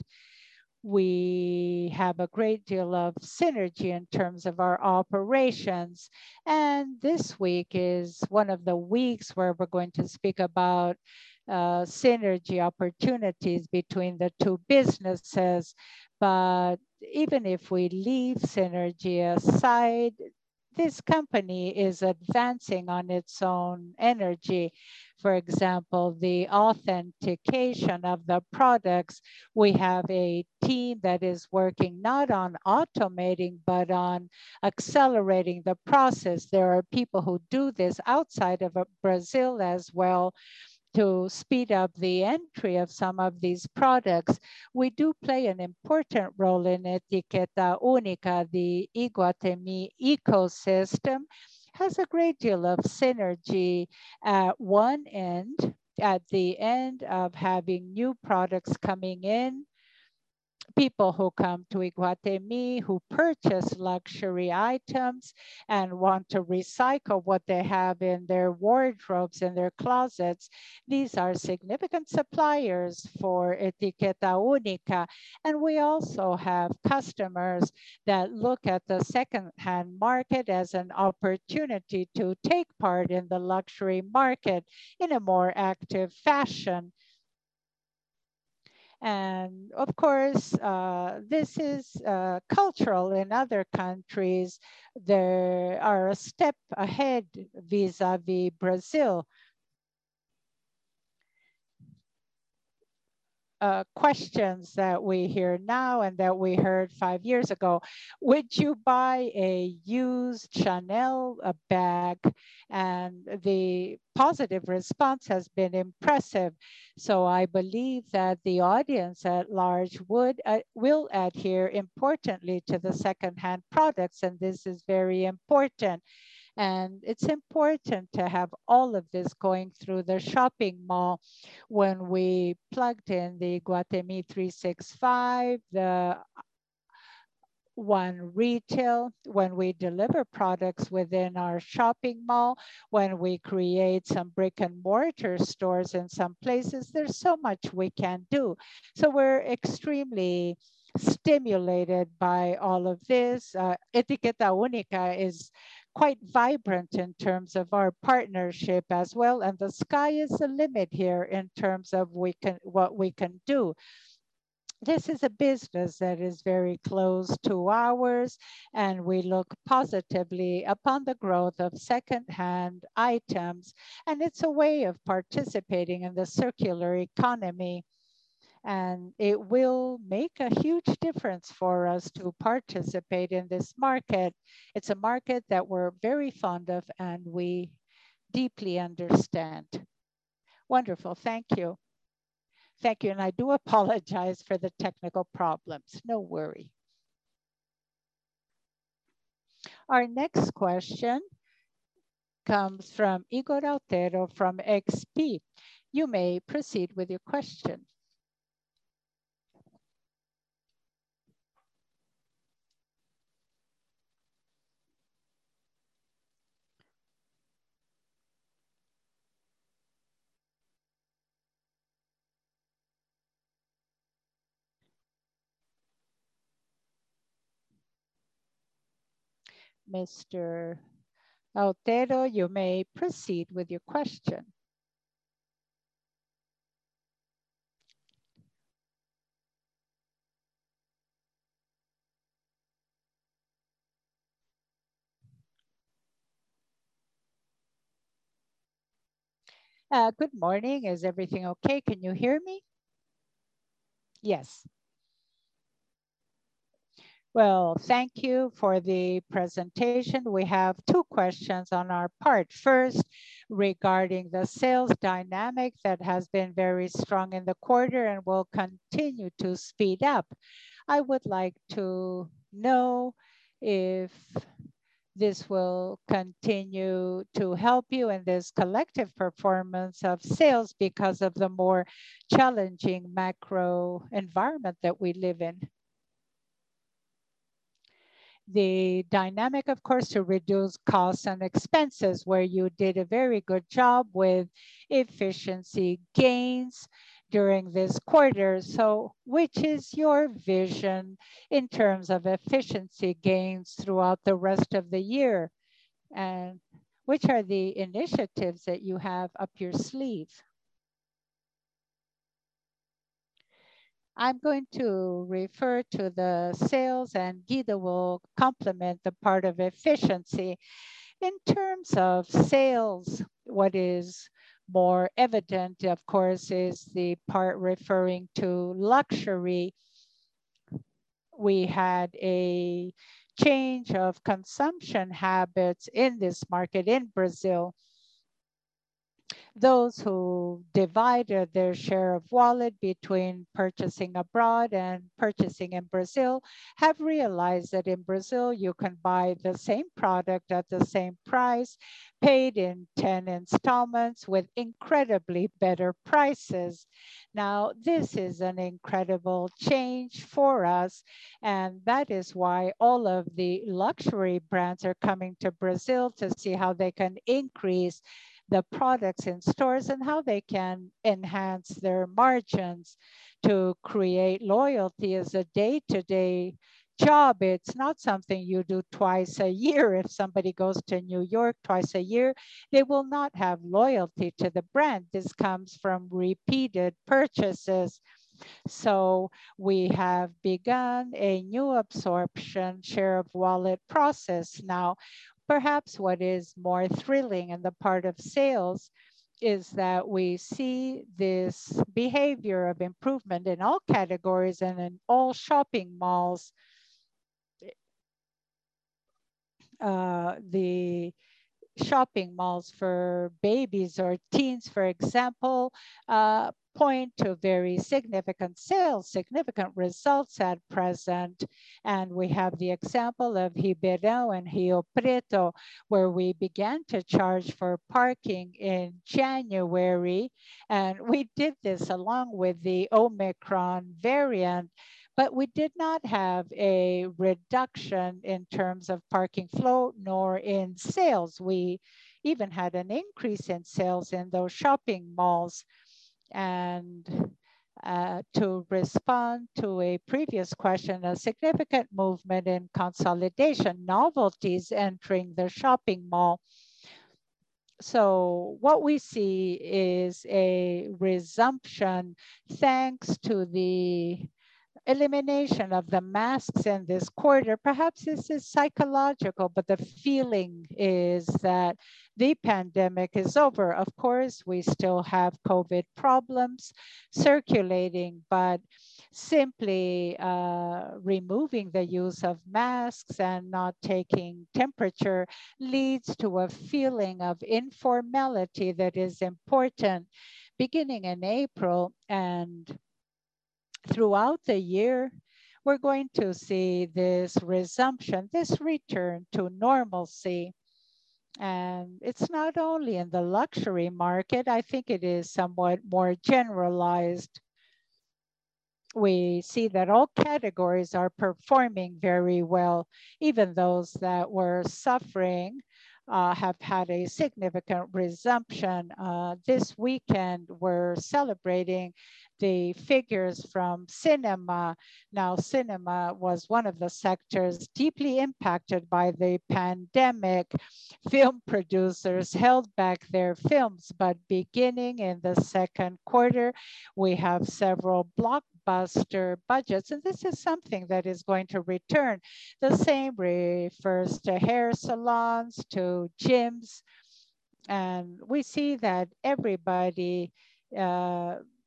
We have a great deal of synergy in terms of our operations. This week is one of the weeks where we're going to speak about synergy opportunities between the two businesses. But even if we leave synergy aside, this company is advancing on its own energy. For example, the authentication of the products. We have a team that is working not on automating, but on accelerating the process. There are people who do this outside of Brazil as well to speed up the entry of some of these products. We do play an important role in Etiqueta Única. The Iguatemi ecosystem has a great deal of synergy. At one end, at the end of having new products coming in, people who come to Iguatemi who purchase luxury items and want to recycle what they have in their wardrobes and their closets, these are significant suppliers for Etiqueta Única. We also have customers that look at the secondhand market as an opportunity to take part in the luxury market in a more active fashion. Of course, this is cultural. In other countries, they are a step ahead vis-à-vis Brazil. Questions that we hear now and that we heard five years ago, "Would you buy a used Chanel bag?" The positive response has been impressive. I believe that the audience at large will adhere importantly to the secondhand products, and this is very important. It's important to have all of this going through the shopping mall. When we plugged in the Iguatemi 365, the iRetail, when we deliver products within our shopping mall, when we create some brick-and-mortar stores in some places, there's so much we can do. We're extremely stimulated by all of this. Etiqueta Única is quite vibrant in terms of our partnership as well, and the sky is the limit here in terms of what we can do. This is a business that is very close to ours, and we look positively upon the growth of secondhand items, and it's a way of participating in the circular economy. It will make a huge difference for us to participate in this market. It's a market that we're very fond of and we deeply understand. Wonderful. Thank you. Thank you, and I do apologize for the technical problems. No worry. Our next question comes from Igor [Monteiro] from XP. You may proceed with your question. Mr. [Monteiro], you may proceed with your question. Good morning. Is everything okay? Can you hear me? Yes. Well, thank you for the presentation. We have two questions on our part. First, regarding the sales dynamic that has been very strong in the quarter and will continue to speed up. I would like to know if this will continue to help you in this collective performance of sales because of the more challenging macro environment that we live in. The dynamic, of course, to reduce costs and expenses, where you did a very good job with efficiency gains during this quarter. Which is your vision in terms of efficiency gains throughout the rest of the year? Which are the initiatives that you have up your sleeve? I'm going to refer to the sales, and Guido will complement the part of efficency. In terms of sales, what is more evident, of course, is the part referring to luxury. We had a change of consumption habits in this market in Brazil. Those who divided their share of wallet between purchasing abroad and purchasing in Brazil have realized that in Brazil you can buy the same product at the same price paid in 10 installments with incredibly better prices. Now, this is an incredible change for us, and that is why all of the luxury brands are coming to Brazil to see how they can increase the products in stores and how they can enhance their margins to create loyalty as a day-to-day job. It's not something you do twice a year. If somebody goes to New York twice a year, they will not have loyalty to the brand. This comes from repeated purchases. We have begun a new absorption share of wallet process. Now, perhaps what is more thrilling in the part of sales is that we see this behavior of improvement in all categories and in all shopping malls. The shopping malls for babies or teens, for example, point to very significant sales, significant results at present. We have the example of Ribeirão Preto and São José do Rio Preto, where we began to charge for parking in January. We did this along with the Omicron variant, but we did not have a reduction in terms of parking flow nor in sales. We even had an increase in sales in those shopping malls. To respond to a previous question, a significant movement in consolidation, novelties entering the shopping mall. What we see is a resumption thanks to the elimination of the masks in this quarter. Perhaps this is psychological, but the feeling is that the pandemic is over. Of course, we still have COVID problems circulating, but simply, removing the use of masks and not taking temperature leads to a feeling of informality that is important. Beginning in April and throughout the year, we're going to see this resumption, this return to normalcy. It's not only in the luxury market, I think it is somewhat more generalized. We see that all categories are performing very well. Even those that were suffering, have had a significant resumption. This weekend we're celebrating the figures from cinema. Now, cinema was one of the sectors deeply impacted by the pandemic. Film producers held back their films. Beginning in the second quarter, we have several blockbuster budgets, and this is something that is going to return. The same refers to hair salons, to gyms. We see that everybody,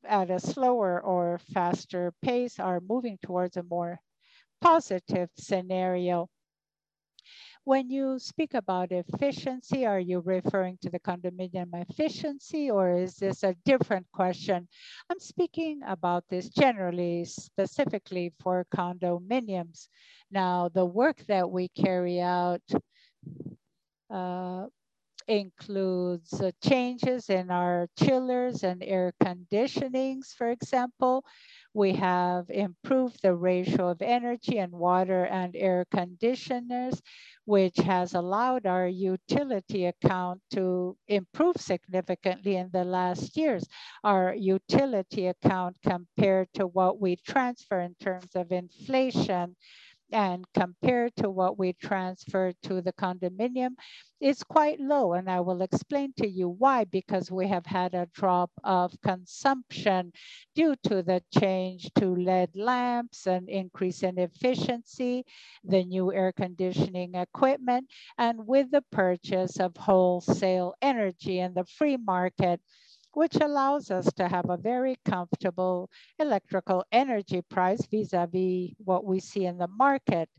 at a slower or faster pace are moving towards a more positive scenario. When you speak about efficiency, are you referring to the condominium efficiency or is this a different question? I'm speaking about this generally, specifically for condominiums. Now, the work that we carry out includes changes in our chillers and air conditionings, for example. We have improved the ratio of energy and water and air conditioners, which has allowed our utility account to improve significantly in the last years. Our utility account compared to what we transfer in terms of inflation and compared to what we transfer to the condominium is quite low. I will explain to you why. Because we have had a drop of consumption due to the change to LED lamps and increase in efficiency, the new air conditioning equipment, and with the purchase of wholesale energy in the free market, which allows us to have a very comfortable electrical energy price vis-à-vis what we see in the market.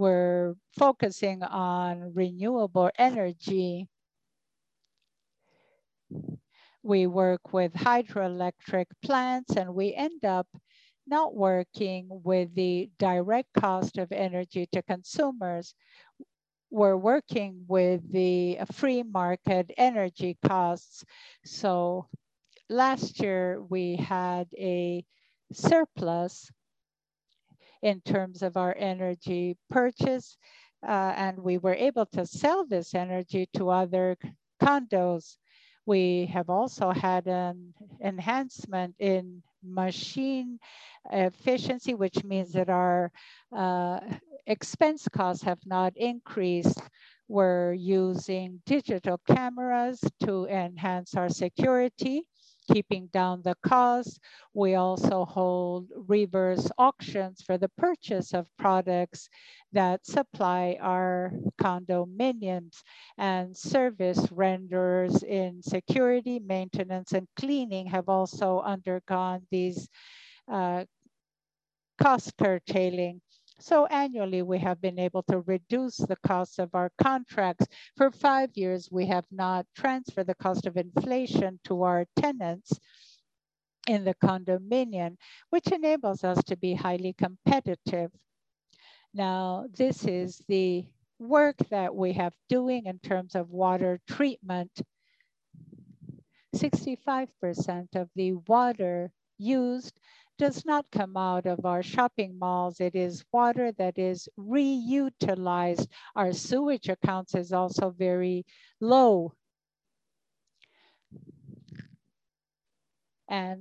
We're focusing on renewable energy. We work with hydroelectric plants, and we end up not working with the direct cost of energy to consumers. We're working with the free market energy costs. Last year we had a surplus in terms of our energy purchase, and we were able to sell this energy to other condos. We have also had an enhancement in machine efficiency, which means that our expense costs have not increased. We're using digital cameras to enhance our security, keeping down the cost. We also hold reverse auctions for the purchase of products that supply our condominiums. Service renderers in security, maintenance, and cleaning have also undergone these cost curtailing. Annually, we have been able to reduce the cost of our contracts. For five years, we have not transferred the cost of inflation to our tenants in the condominium, which enables us to be highly competitive. This is the work that we have doing in terms of water treatment. 65% of the water used does not come out of our shopping malls. It is water that is reutilized. Our sewage costs are also very low.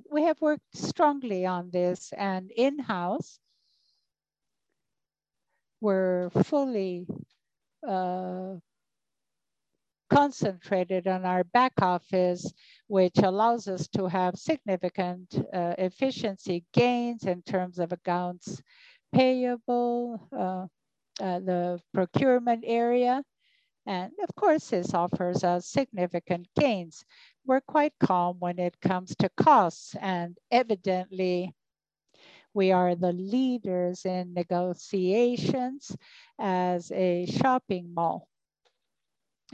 We have worked strongly on this. In-house, we're fully concentrated on our back office, which allows us to have significant efficiency gains in terms of accounts payable, the procurement area. Of course, this offers us significant gains. We're quite calm when it comes to costs, and evidently we are the leaders in negotiations as a shopping mall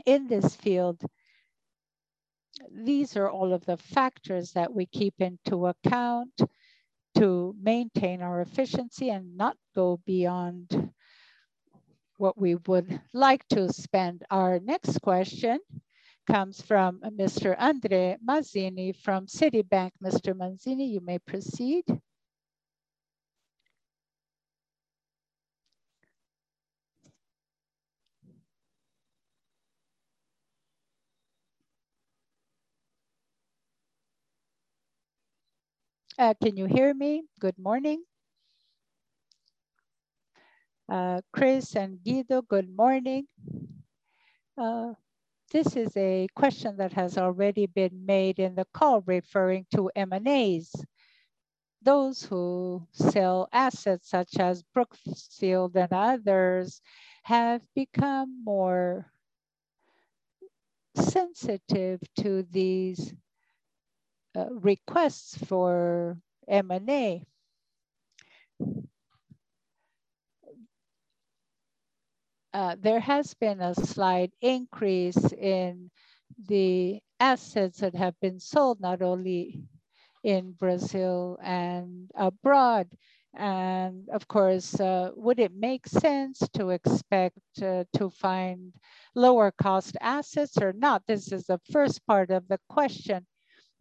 in this field. These are all of the factors that we take into account to maintain our efficiency and not go beyond what we would like to spend. Our next question comes from Mr. André Mazini from Citibank. Mr. Mazini, you may proceed. Can you hear me? Good morning. Cristina and Guido, good morning. This is a question that has already been made in the call referring to M&As. Those who sell assets such as Brookfield and others have become more sensitive to these requests for M&A. There has been a slight increase in the assets that have been sold, not only in Brazil and abroad. Of course, would it make sense to expect to find lower cost assets or not? This is the first part of the question.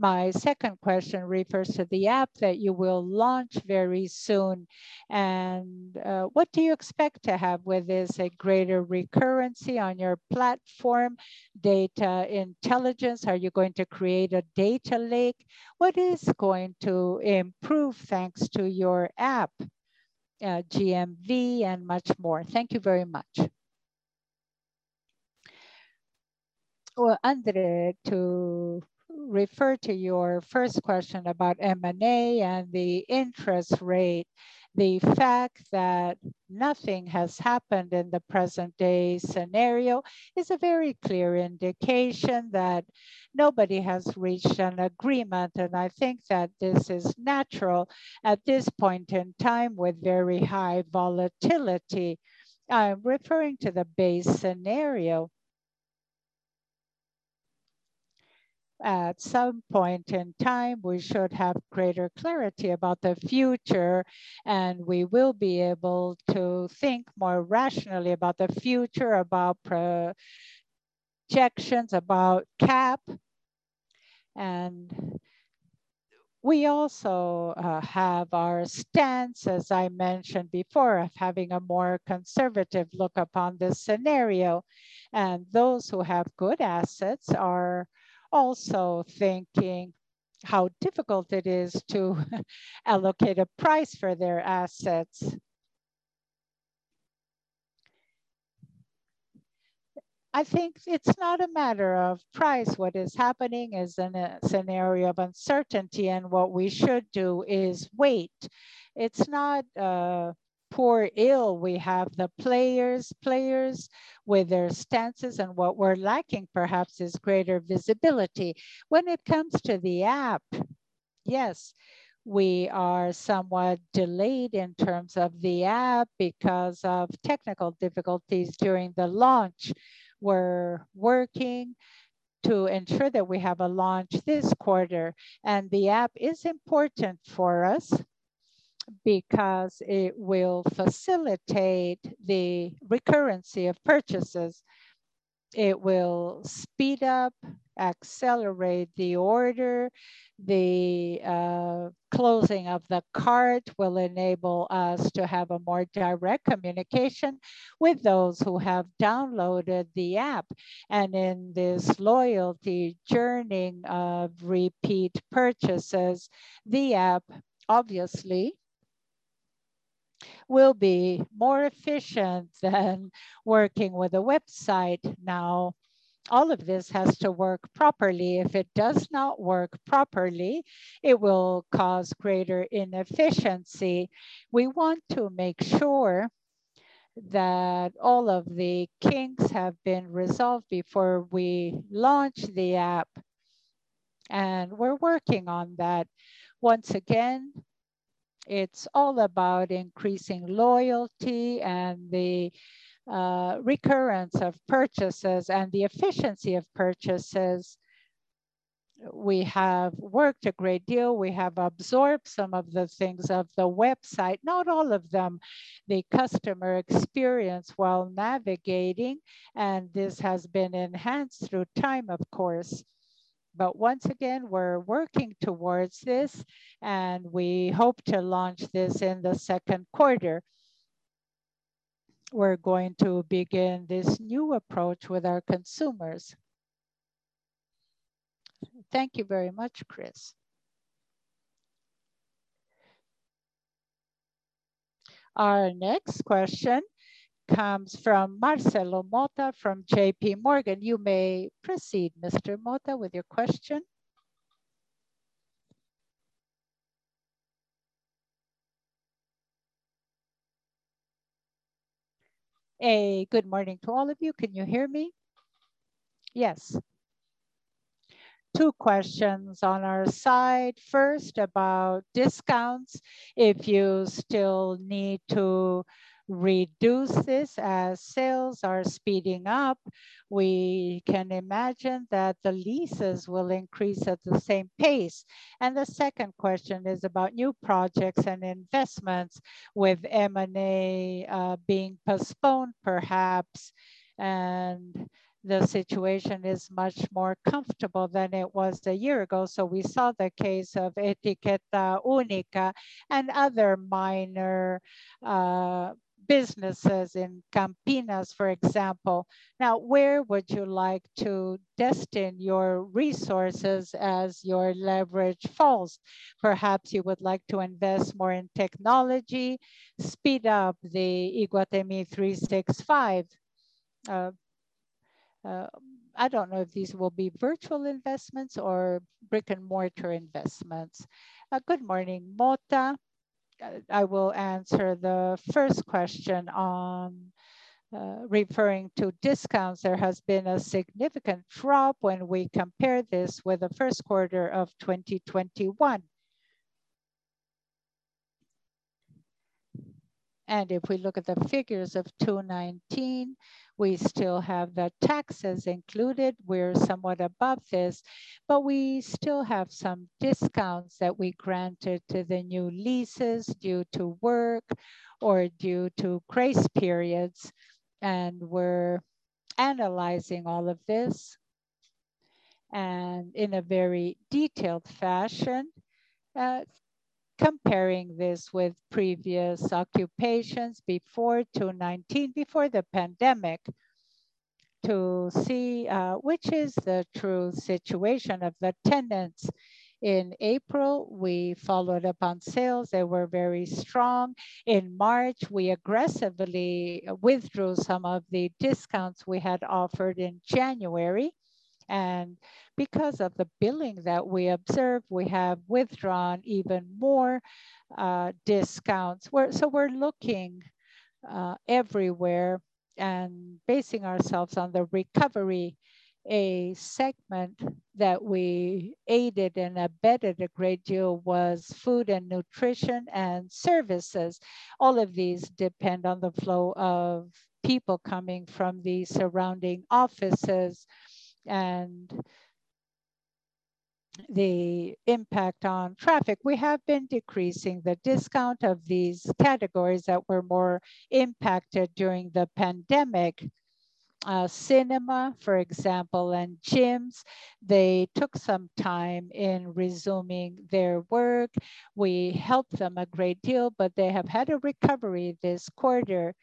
My second question refers to the app that you will launch very soon. What do you expect to have with this, a greater recurrency on your platform, data intelligence? Are you going to create a data lake? What is going to improve thanks to your app? GMV and much more. Thank you very much. Well, André, to refer to your first question about M&A and the interest rate, the fact that nothing has happened in the present day scenario is a very clear indication that nobody has reached an agreement, and I think that this is natural at this point in time with very high volatility. I am referring to the base scenario. At some point in time, we should have greater clarity about the future, and we will be able to think more rationally about the future, about projections, about CapEx, and we also have our stance, as I mentioned before, of having a more conservative look upon this scenario. Those who have good assets are also thinking how difficult it is to allocate a price for their assets. I think it's not a matter of price. What is happening is in a scenario of uncertainty, and what we should do is wait. It's not peril. We have the players with their stances, and what we're lacking, perhaps, is greater visibility. When it comes to the app, yes, we are somewhat delayed in terms of the app because of technical difficulties during the launch. We're working to ensure that we have a launch this quarter. The app is important for us because it will facilitate the recurrency of purchases. It will speed up, accelerate the order. The closing of the cart will enable us to have a more direct communication with those who have downloaded the app. In this loyalty journey of repeat purchases, the app obviously will be more efficient than working with a website. Now, all of this has to work properly. If it does not work properly, it will cause greater inefficiency. We want to make sure that all of the kinks have been resolved before we launch the app. We're working on that. Once again, it's all about increasing loyalty and the recurrence of purchases and the efficiency of purchases. We have worked a great deal. We have absorbed some of the things of the website, not all of them, the customer experience while navigating, and this has been enhanced through time, of course. Once again, we're working towards this, and we hope to launch this in the second quarter. We're going to begin this new approach with our consumers. Thank you very much, Cris. Our next question comes from Marcelo Motta from JPMorgan. You may proceed, Mr. Motta, with your question. Good morning to all of you. Can you hear me? Yes. Two questions on our side. First, about discounts. If you still need to reduce this as sales are speeding up, we can imagine that the leases will increase at the same pace. The second question is about new projects and investments with M&A being postponed perhaps, and the situation is much more comfortable than it was a year ago. We saw the case of Etiqueta Única and other minor businesses in Campinas, for example. Now, where would you like to destine your resources as your leverage falls? Perhaps you would like to invest more in technology, speed up the Iguatemi 365. I don't know if these will be virtual investments or brick-and-mortar investments. Good morning, Mota. I will answer the first question on referring to discounts. There has been a significant drop when we compare this with the first quarter of 2021. If we look at the figures of 2019, we still have the taxes included. We're somewhat above this, but we still have some discounts that we granted to the new leases due to work or due to grace periods. We're analyzing all of this, and in a very detailed fashion, comparing this with previous occupancies before 2019, before the pandemic, to see which is the true situation of tenancy. In April, we followed up on sales. They were very strong. In March, we aggressively withdrew some of the discounts we had offered in January. Because of the billing that we observed, we have withdrawn even more discounts. We're looking everywhere and basing ourselves on the recovery. A segment that we aided and abetted a great deal was food and nutrition and services. All of these depend on the flow of people coming from the surrounding offices and the impact on traffic. We have been decreasing the discount of these categories that were more impacted during the pandemic. Cinema, for example, and gyms, they took some time in resuming their work. We helped them a great deal, but they have had a recovery this quarter.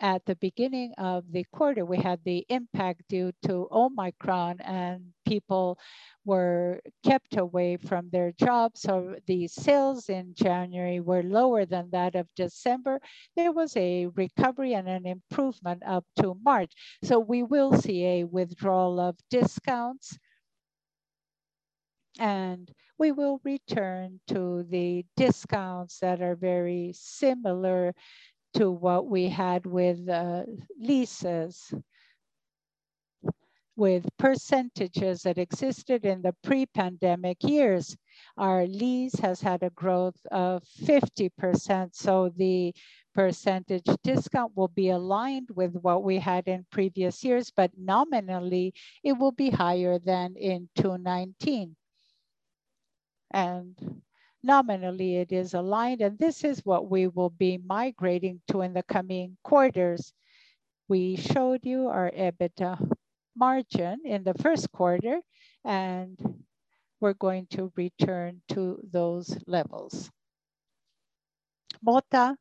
At the beginning of the quarter, we had the impact due to Omicron, and people were kept away from their jobs, so the sales in January were lower than that of December. There was a recovery and an improvement up to March. We will see a withdrawal of discounts, and we will return to the discounts that are very similar to what we had with leases. With percentages that existed in the pre-pandemic years, our lease has had a growth of 50%, so the percentage discount will be aligned with what we had in previous years. Nominally, it will be higher than in 2019. Nominally, it is aligned, and this is what we will be migrating to in the coming quarters. We showed you our EBITDA margin in the first quarter, and we're going to return to those levels. Mota,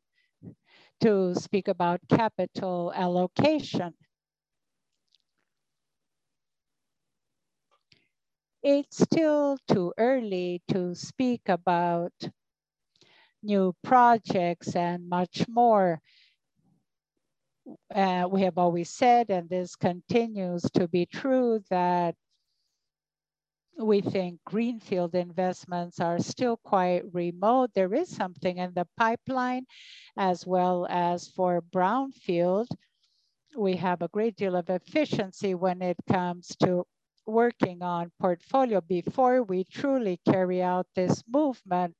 to speak about capital allocation. It's still too early to speak about new projects and much more. We have always said, and this continues to be true, that we think greenfield investments are still quite remote. There is something in the pipeline as well as for brownfield. We have a great deal of efficiency when it comes to working on portfolio before we truly carry out this movement.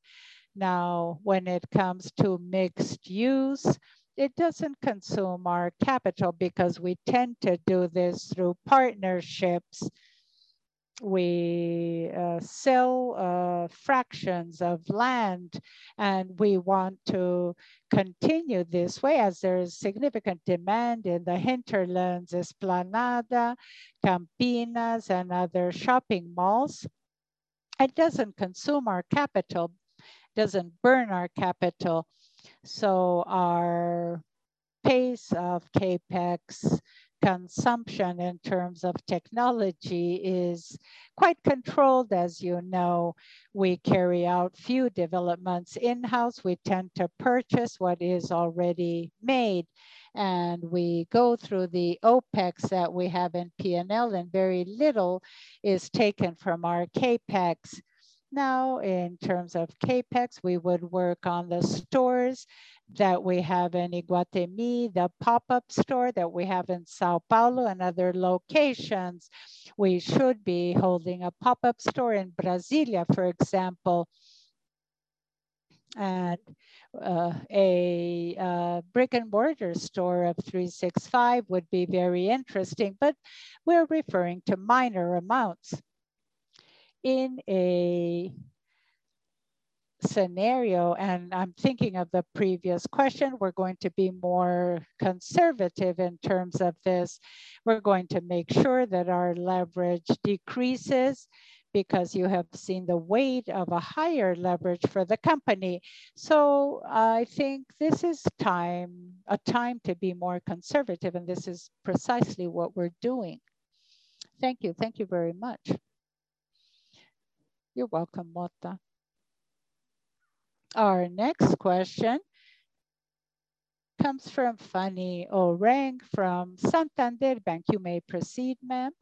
Now, when it comes to mixed use, it doesn't consume our capital because we tend to do this through partnerships. We sell fractions of land, and we want to continue this way as there is significant demand in the hinterlands, Esplanada, Campinas, and other shopping malls. It doesn't consume our capital, doesn't burn our capital. Our pace of CapEx consumption in terms of technology is quite controlled. As you know, we carry out few developments in-house. We tend to purchase what is already made, and we go through the OpEx that we have in P&L, and very little is taken from our CapEx. Now, in terms of CapEx, we would work on the stores that we have in Iguatemi, the pop-up store that we have in São Paulo and other locations. We should be holding a pop-up store in Brasília, for example. A brick-and-mortar store of 365 would be very interesting, but we're referring to minor amounts. In a scenario, I'm thinking of the previous question, we're going to be more conservative in terms of this. We're going to make sure that our leverage decreases because you have seen the weight of a higher leverage for the company. I think this is a time to be more conservative, and this is precisely what we're doing. Thank you. Thank you very much. You're welcome, Motta. Our next question comes from Fanny Oreng from Santander Bank. You may proceed, ma'am.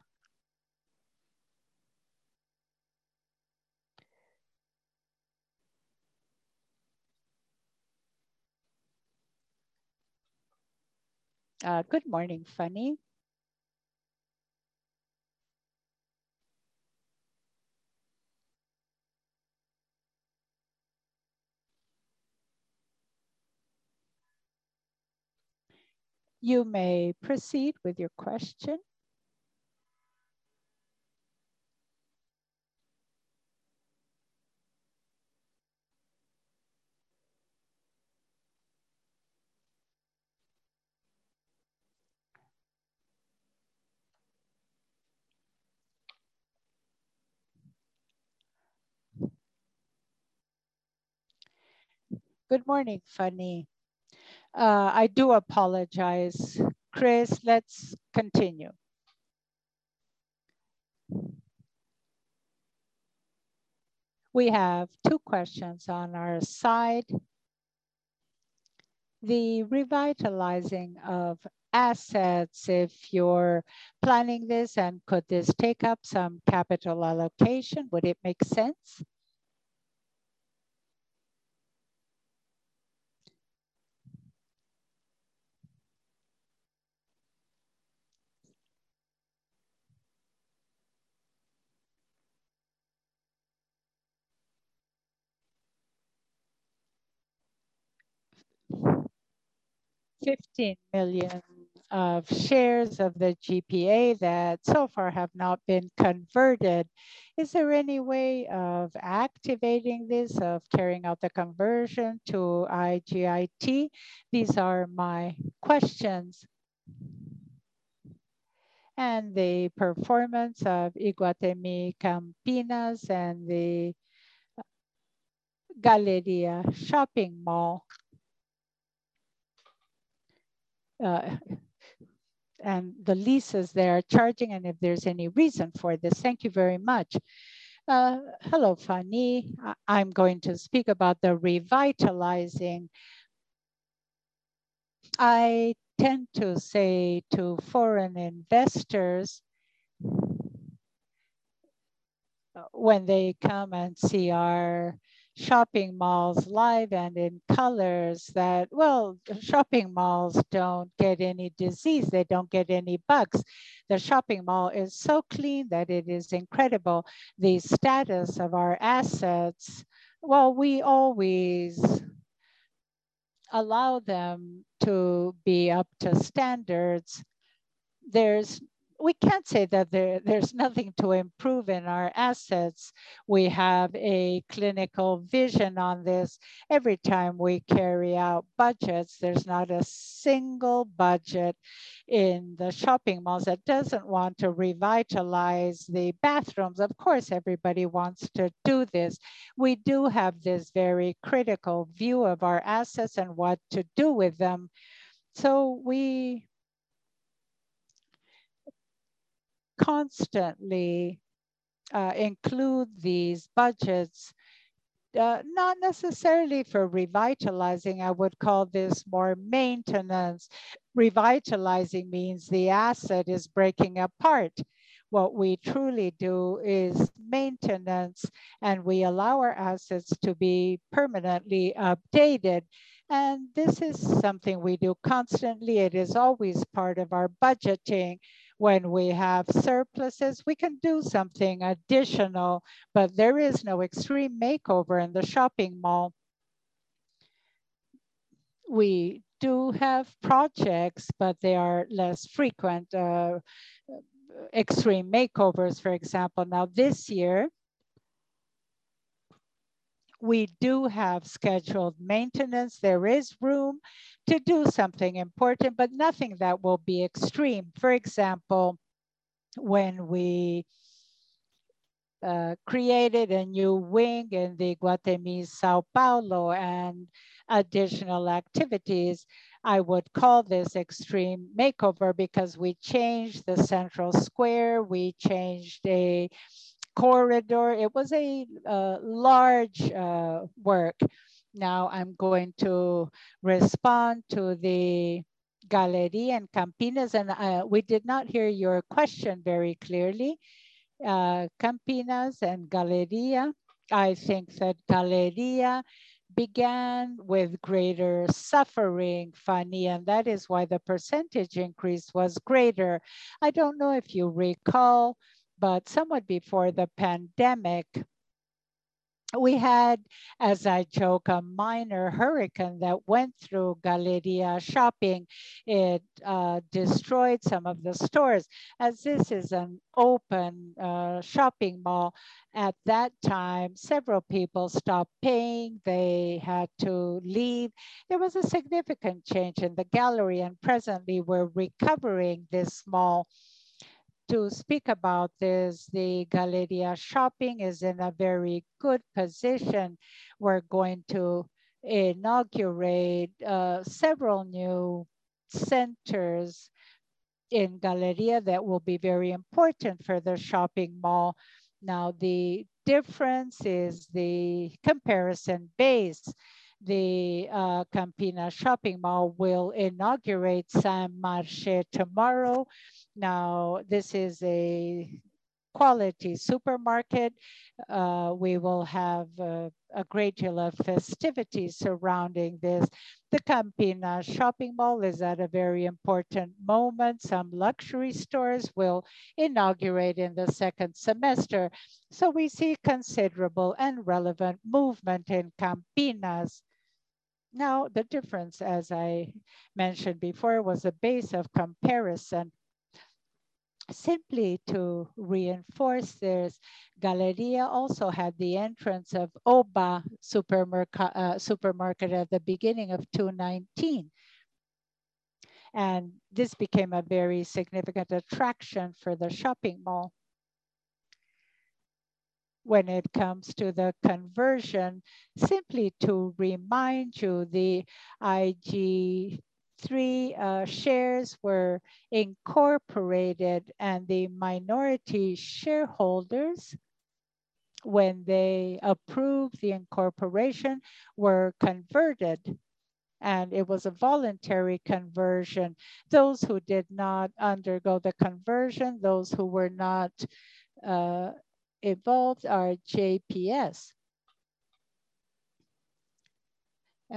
Good morning, Fanny. You may proceed with your question. Good morning, Fanny. I do apologize. Cris, let's continue. We have two questions on our side. The revitalizing of assets, if you're planning this, and could this take up some capital allocation? Would it make sense? 15 million of shares of the GPA that so far have not been converted. Is there any way of activating this, of carrying out the conversion to IGTI? These are my questions. The performance of Iguatemi Campinas and the Galleria Shopping Mall, and the leases they are charging, and if there's any reason for this. Thank you very much. Hello, Fanny. I'm going to speak about the revitalizing. I tend to say to foreign investors when they come and see our shopping malls live and in colors that, well, shopping malls don't get any disease. They don't get any bugs. The shopping mall is so clean that it is incredible. The status of our assets, well, we always allow them to be up to standards. We can't say that there is nothing to improve in our assets. We have a clinical vision on this. Every time we carry out budgets, there's not a single budget in the shopping malls that doesn't want to revitalize the bathrooms. Of course, everybody wants to do this. We do have this very critical view of our assets and what to do with them. We constantly include these budgets. Not necessarily for revitalizing. I would call this more maintenance. Revitalizing means the asset is breaking apart. What we truly do is maintenance, and we allow our assets to be permanently updated, and this is something we do constantly. It is always part of our budgeting. When we have surpluses, we can do something additional, but there is no extreme makeover in the shopping mall. We do have projects, but they are less frequent extreme makeovers, for example. Now, this year, we do have scheduled maintenance. There is room to do something important, but nothing that will be extreme. For example, when we created a new wing in the Iguatemi São Paulo and additional activities, I would call this extreme makeover because we changed the central square, we changed a corridor. It was a large work. Now I'm going to respond to the Galeria and Campinas. We did not hear your question very clearly. Campinas and Galeria. I think that Galeria began with greater suffering, Fanny, and that is why the percentage increase was greater. I don't know if you recall, but somewhat before the pandemic, we had, as I joke, a minor hurricane that went through Galeria Shopping. It destroyed some of the stores. As this is an open shopping mall at that time, several people stopped paying. They had to leave. It was a significant change in the Galeria, and presently we're recovering this mall. To speak about this, the Galeria Shopping is in a very good position. We're going to inaugurate several new centers in Galeria that will be very important for the shopping mall. Now, the difference is the comparison base. The Campinas Shopping mall will inaugurate St. Marche tomorrow. Now, this is a quality supermarket. We will have a great deal of festivities surrounding this. The Campinas Shopping mall is at a very important moment. Some luxury stores will inaugurate in the second semester. We see considerable and relevant movement in Campinas. Now, the difference, as I mentioned before, was the base of comparison. Simply to reinforce this, Galeria also had the entrance of Oba supermarket at the beginning of 2019. This became a very significant attraction for the shopping mall. When it comes to the conversion, simply to remind you, the IGTI3 shares were incorporated, and the minority shareholders, when they approved the incorporation, were converted, and it was a voluntary conversion. Those who did not undergo the conversion, those who were not involved are JPS.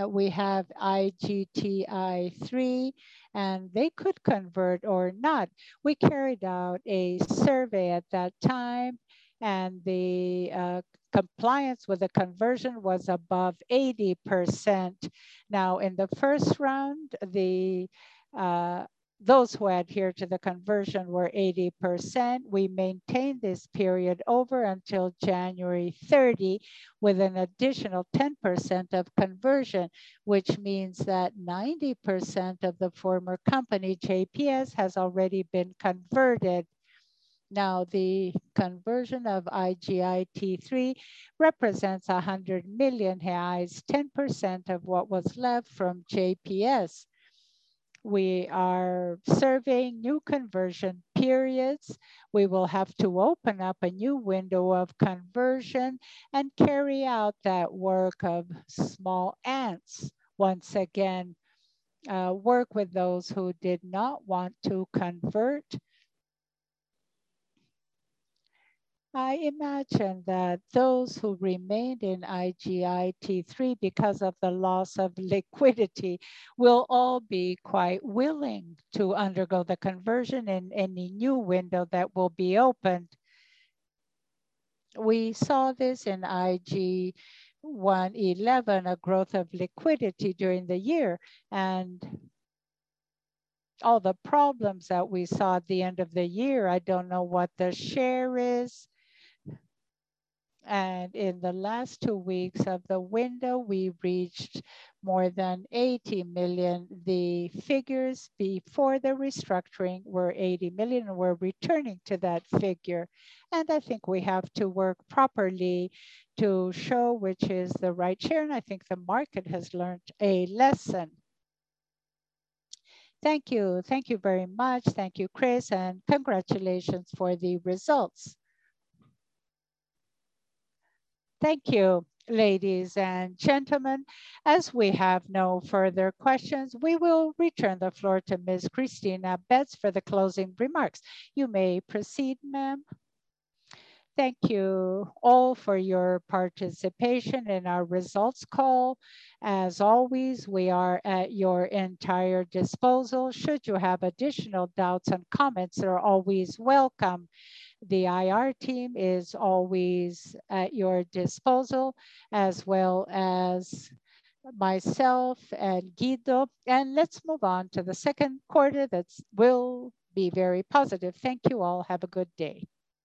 We have IGTI3, and they could convert or not. We carried out a survey at that time, and the compliance with the conversion was above 80%. Now, in the first round, those who adhered to the conversion were 80%. We maintained this period over until January 30 with an additional 10% of conversion, which means that 90% of the former company, JPS, has already been converted. Now, the conversion of IGTI3 represents 100 million reais, 10% of what was left from JPS. We are surveying new conversion periods. We will have to open up a new window of conversion and carry out that work of small ants. Once again, work with those who did not want to convert. I imagine that those who remained in IGTI3 because of the loss of liquidity will all be quite willing to undergo the conversion in any new window that will be opened. We saw this in IGTI11, a growth of liquidity during the year, and all the problems that we saw at the end of the year, I don't know what the share is. In the last two weeks of the window, we reached more than 80 million. The figures before the restructuring were 80 million, and we're returning to that figure. I think we have to work properly to show which is the right share, and I think the market has learned a lesson. Thank you. Thank you very much. Thank you, Cris, and congratulations for the results. Thank you, ladies and gentlemen. As we have no further questions, we will return the floor to Ms. Cristina Betts for the closing remarks. You may proceed, ma'am. Thank you all for your participation in our results call. As always, we are at your entire disposal should you have additional doubts and comments. They are always welcome. The IR team is always at your disposal, as well as myself and Guido. Let's move on to the second quarter. That will be very positive. Thank you all. Have a good day.